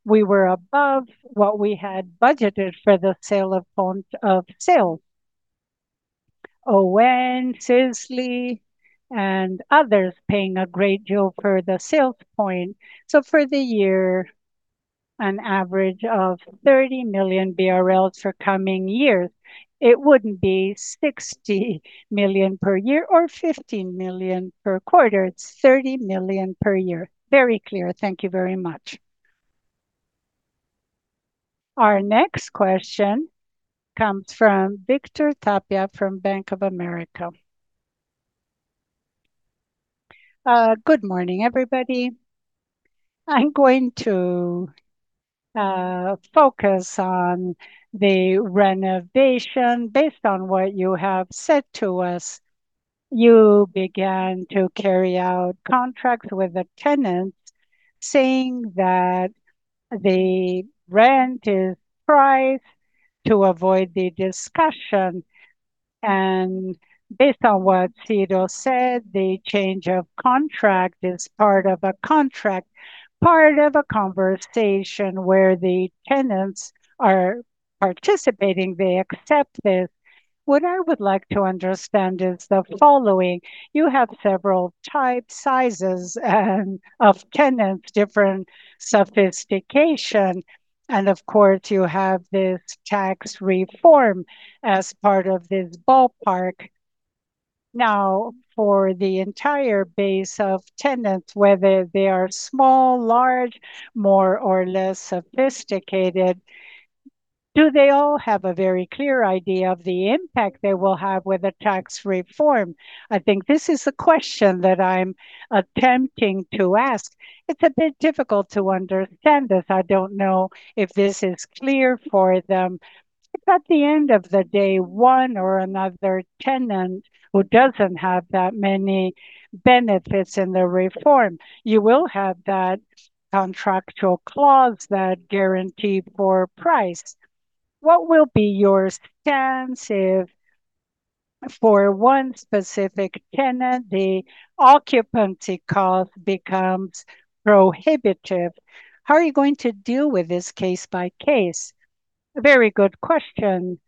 We were above what we had budgeted for the point of sale. ON, Sisley, and others paying a great deal for the sales point. For the year, an average of 30 million BRL for coming years, it wouldn't be 60 million BRL per year or 15 million BRL per quarter. It's 30 million BRL per year. Very clear. Thank you very much. Our next question comes from Victor Tapia from Bank of America. Good morning, everybody. I'm going to focus on the renovation. Based on what you have said to us, you began to carry out contracts with the tenants, saying that the rent is priced to avoid the discussion. Based on what Ciro said, the change of contract is part of a contract, part of a conversation where the tenants are participating, they accept this. What I would like to understand is the following: You have several types, sizes, and of tenants, different sophistication, and of course, you have this tax reform as part of this ballpark. For the entire base of tenants, whether they are small, large, more or less sophisticated, do they all have a very clear idea of the impact they will have with the tax reform? I think this is a question that I'm attempting to ask. It's a bit difficult to understand this. I don't know if this is clear for them. At the end of the day, one or another tenant who doesn't have that many benefits in the reform, you will have that contractual clause, that guarantee for price. What will be your stance if, for one specific tenant, the occupancy cost becomes prohibitive? How are you going to deal with this case by case? A very good question.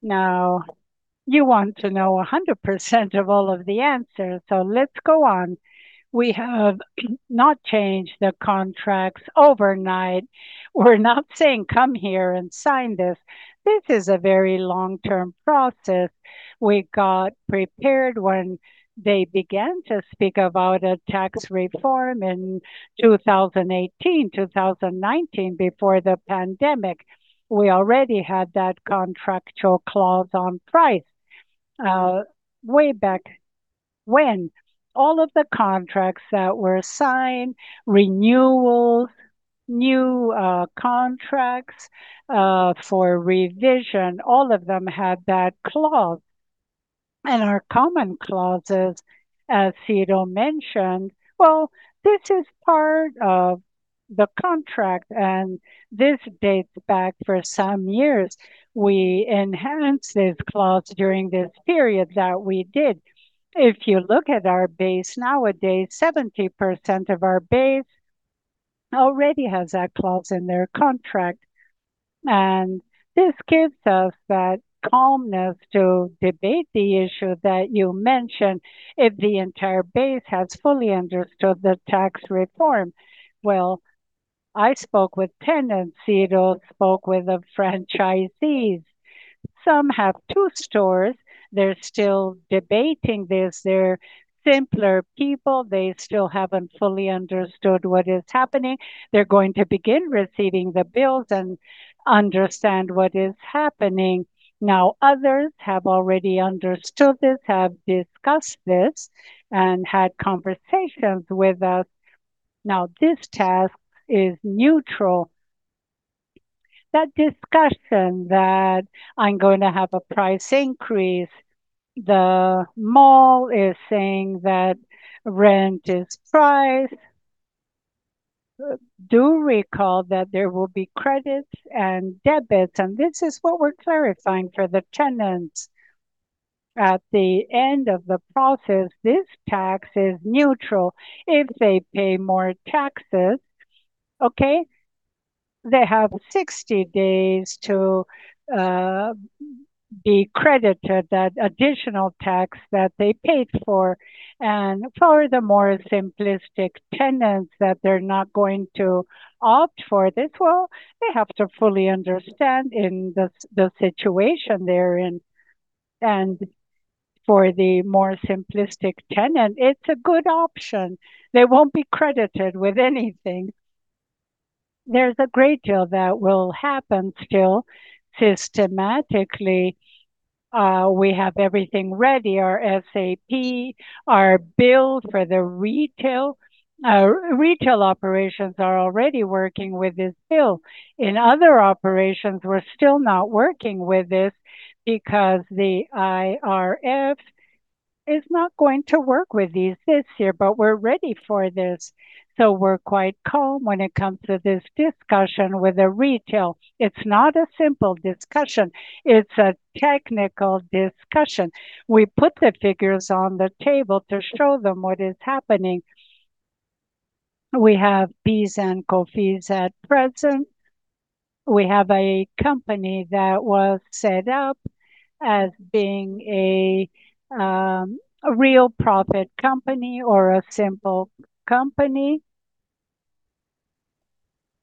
You want to know 100% of all of the answers, so let's go on. We have not changed the contracts overnight. We're not saying, "Come here and sign this." This is a very long-term process. We got prepared when they began to speak about a tax reform in 2018, 2019, before the pandemic. We already had that contractual clause on price, way back when. All of the contracts that were signed, renewals, new contracts for revision, all of them had that clause. Are common clauses, as Ciro mentioned. Well, this is part of the contract, and this dates back for some years. We enhanced this clause during this period that we did. If you look at our base, nowadays, 70% of our base already has that clause in their contract, and this gives us that calmness to debate the issue that you mentioned if the entire base has fully understood the tax reform. Well, I spoke with tenants, Ciro spoke with the franchisees. Some have two stores. They're still debating this. They're simpler people. They still haven't fully understood what is happening. They're going to begin receiving the bills and understand what is happening. Others have already understood this, have discussed this, and had conversations with us. This task is neutral. That discussion that I'm going to have a price increase, the mall is saying that rent is priced. Do recall that there will be credits and debits, and this is what we're clarifying for the tenants. At the end of the process, this tax is neutral if they pay more taxes. Okay? They have 60 days to be credited that additional tax that they paid for. For the more simplistic tenants that they're not going to opt for this, well, they have to fully understand in the situation they're in. For the more simplistic tenant, it's a good option. They won't be credited with anything. There's a great deal that will happen still. Systematically, we have everything ready. Our SAP, our bill for the retail, our retail operations are already working with this bill. In other operations, we're still not working with this because the IRRF is not going to work with these this year, but we're ready for this. We're quite calm when it comes to this discussion with the retail. It's not a simple discussion, it's a technical discussion. We put the figures on the table to show them what is happening. We have PIS and COFINS at present. We have a company that was set up as being a real profit company or a simple company,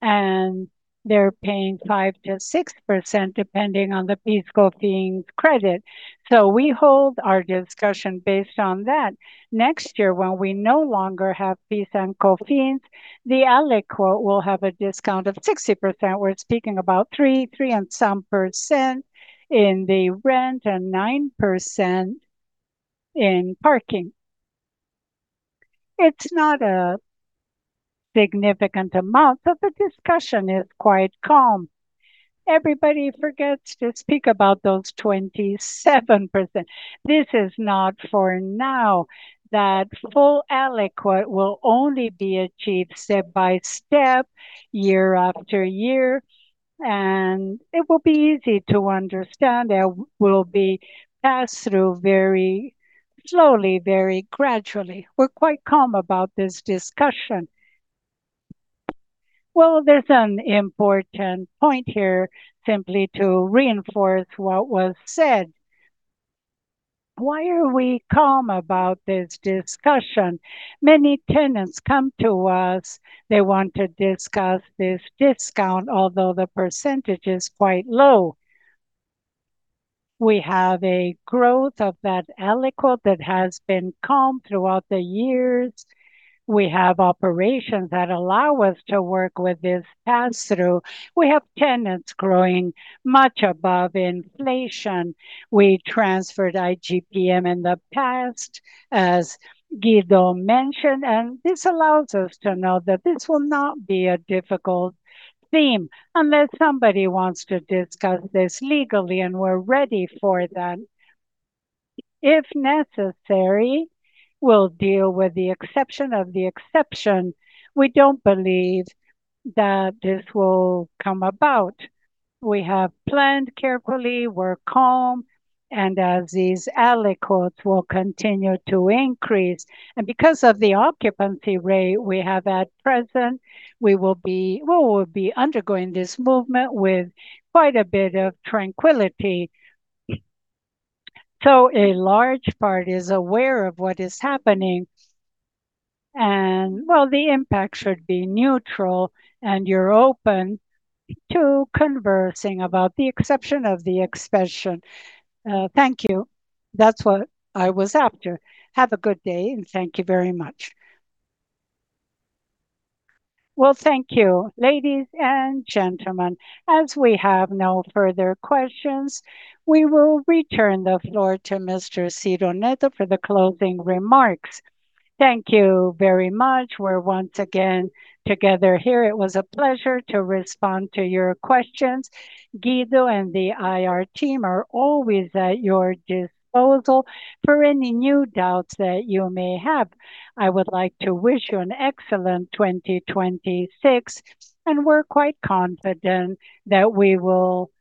and they're paying 5%-6%, depending on the PIS/COFINS credit. We hold our discussion based on that. Next year, when we no longer have PIS and COFINS, the aliquot will have a discount of 60%. We're speaking about 3% and some percent in the rent and 9% in parking. It's not a significant amount, so the discussion is quite calm. Everybody forgets to speak about those 27%. This is not for now, that full aliquot will only be achieved step by step, year after year, and it will be easy to understand and will be passed through very slowly, very gradually. We're quite calm about this discussion. There's an important point here simply to reinforce what was said. Why are we calm about this discussion? Many tenants come to us, they want to discuss this discount, although the percentage is quite low. We have a growth of that aliquot that has been calm throughout the years. We have operations that allow us to work with this pass-through. We have tenants growing much above inflation. We transferred IGPM in the past, as Guido mentioned, and this allows us to know that this will not be a difficult theme unless somebody wants to discuss this legally, and we're ready for that. If necessary, we'll deal with the exception of the exception. We don't believe that this will come about. We have planned carefully, we're calm, and as these aliquots will continue to increase, and because of the occupancy rate we have at present, we will be undergoing this movement with quite a bit of tranquility. A large part is aware of what is happening, and, well, the impact should be neutral, and you're open to conversing about the exception of the exception. Thank you. That's what I was after. Have a good day, and thank you very much. Well, thank you, ladies and gentlemen. As we have no further questions, we will return the floor to Mr. Ciro Neto for the closing remarks. Thank you very much. We're once again together here. It was a pleasure to respond to your questions. Guido and the IR team are always at your disposal for any new doubts that you may have. I would like to wish you an excellent 2026, and we're quite confident that we will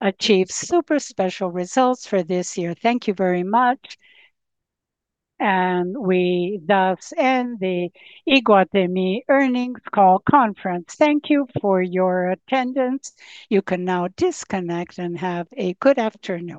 achieve super special results for this year. Thank you very much, and we thus end the Iguatemi Earnings Call Conference. Thank you for your attendance. You can now disconnect and have a good afternoon.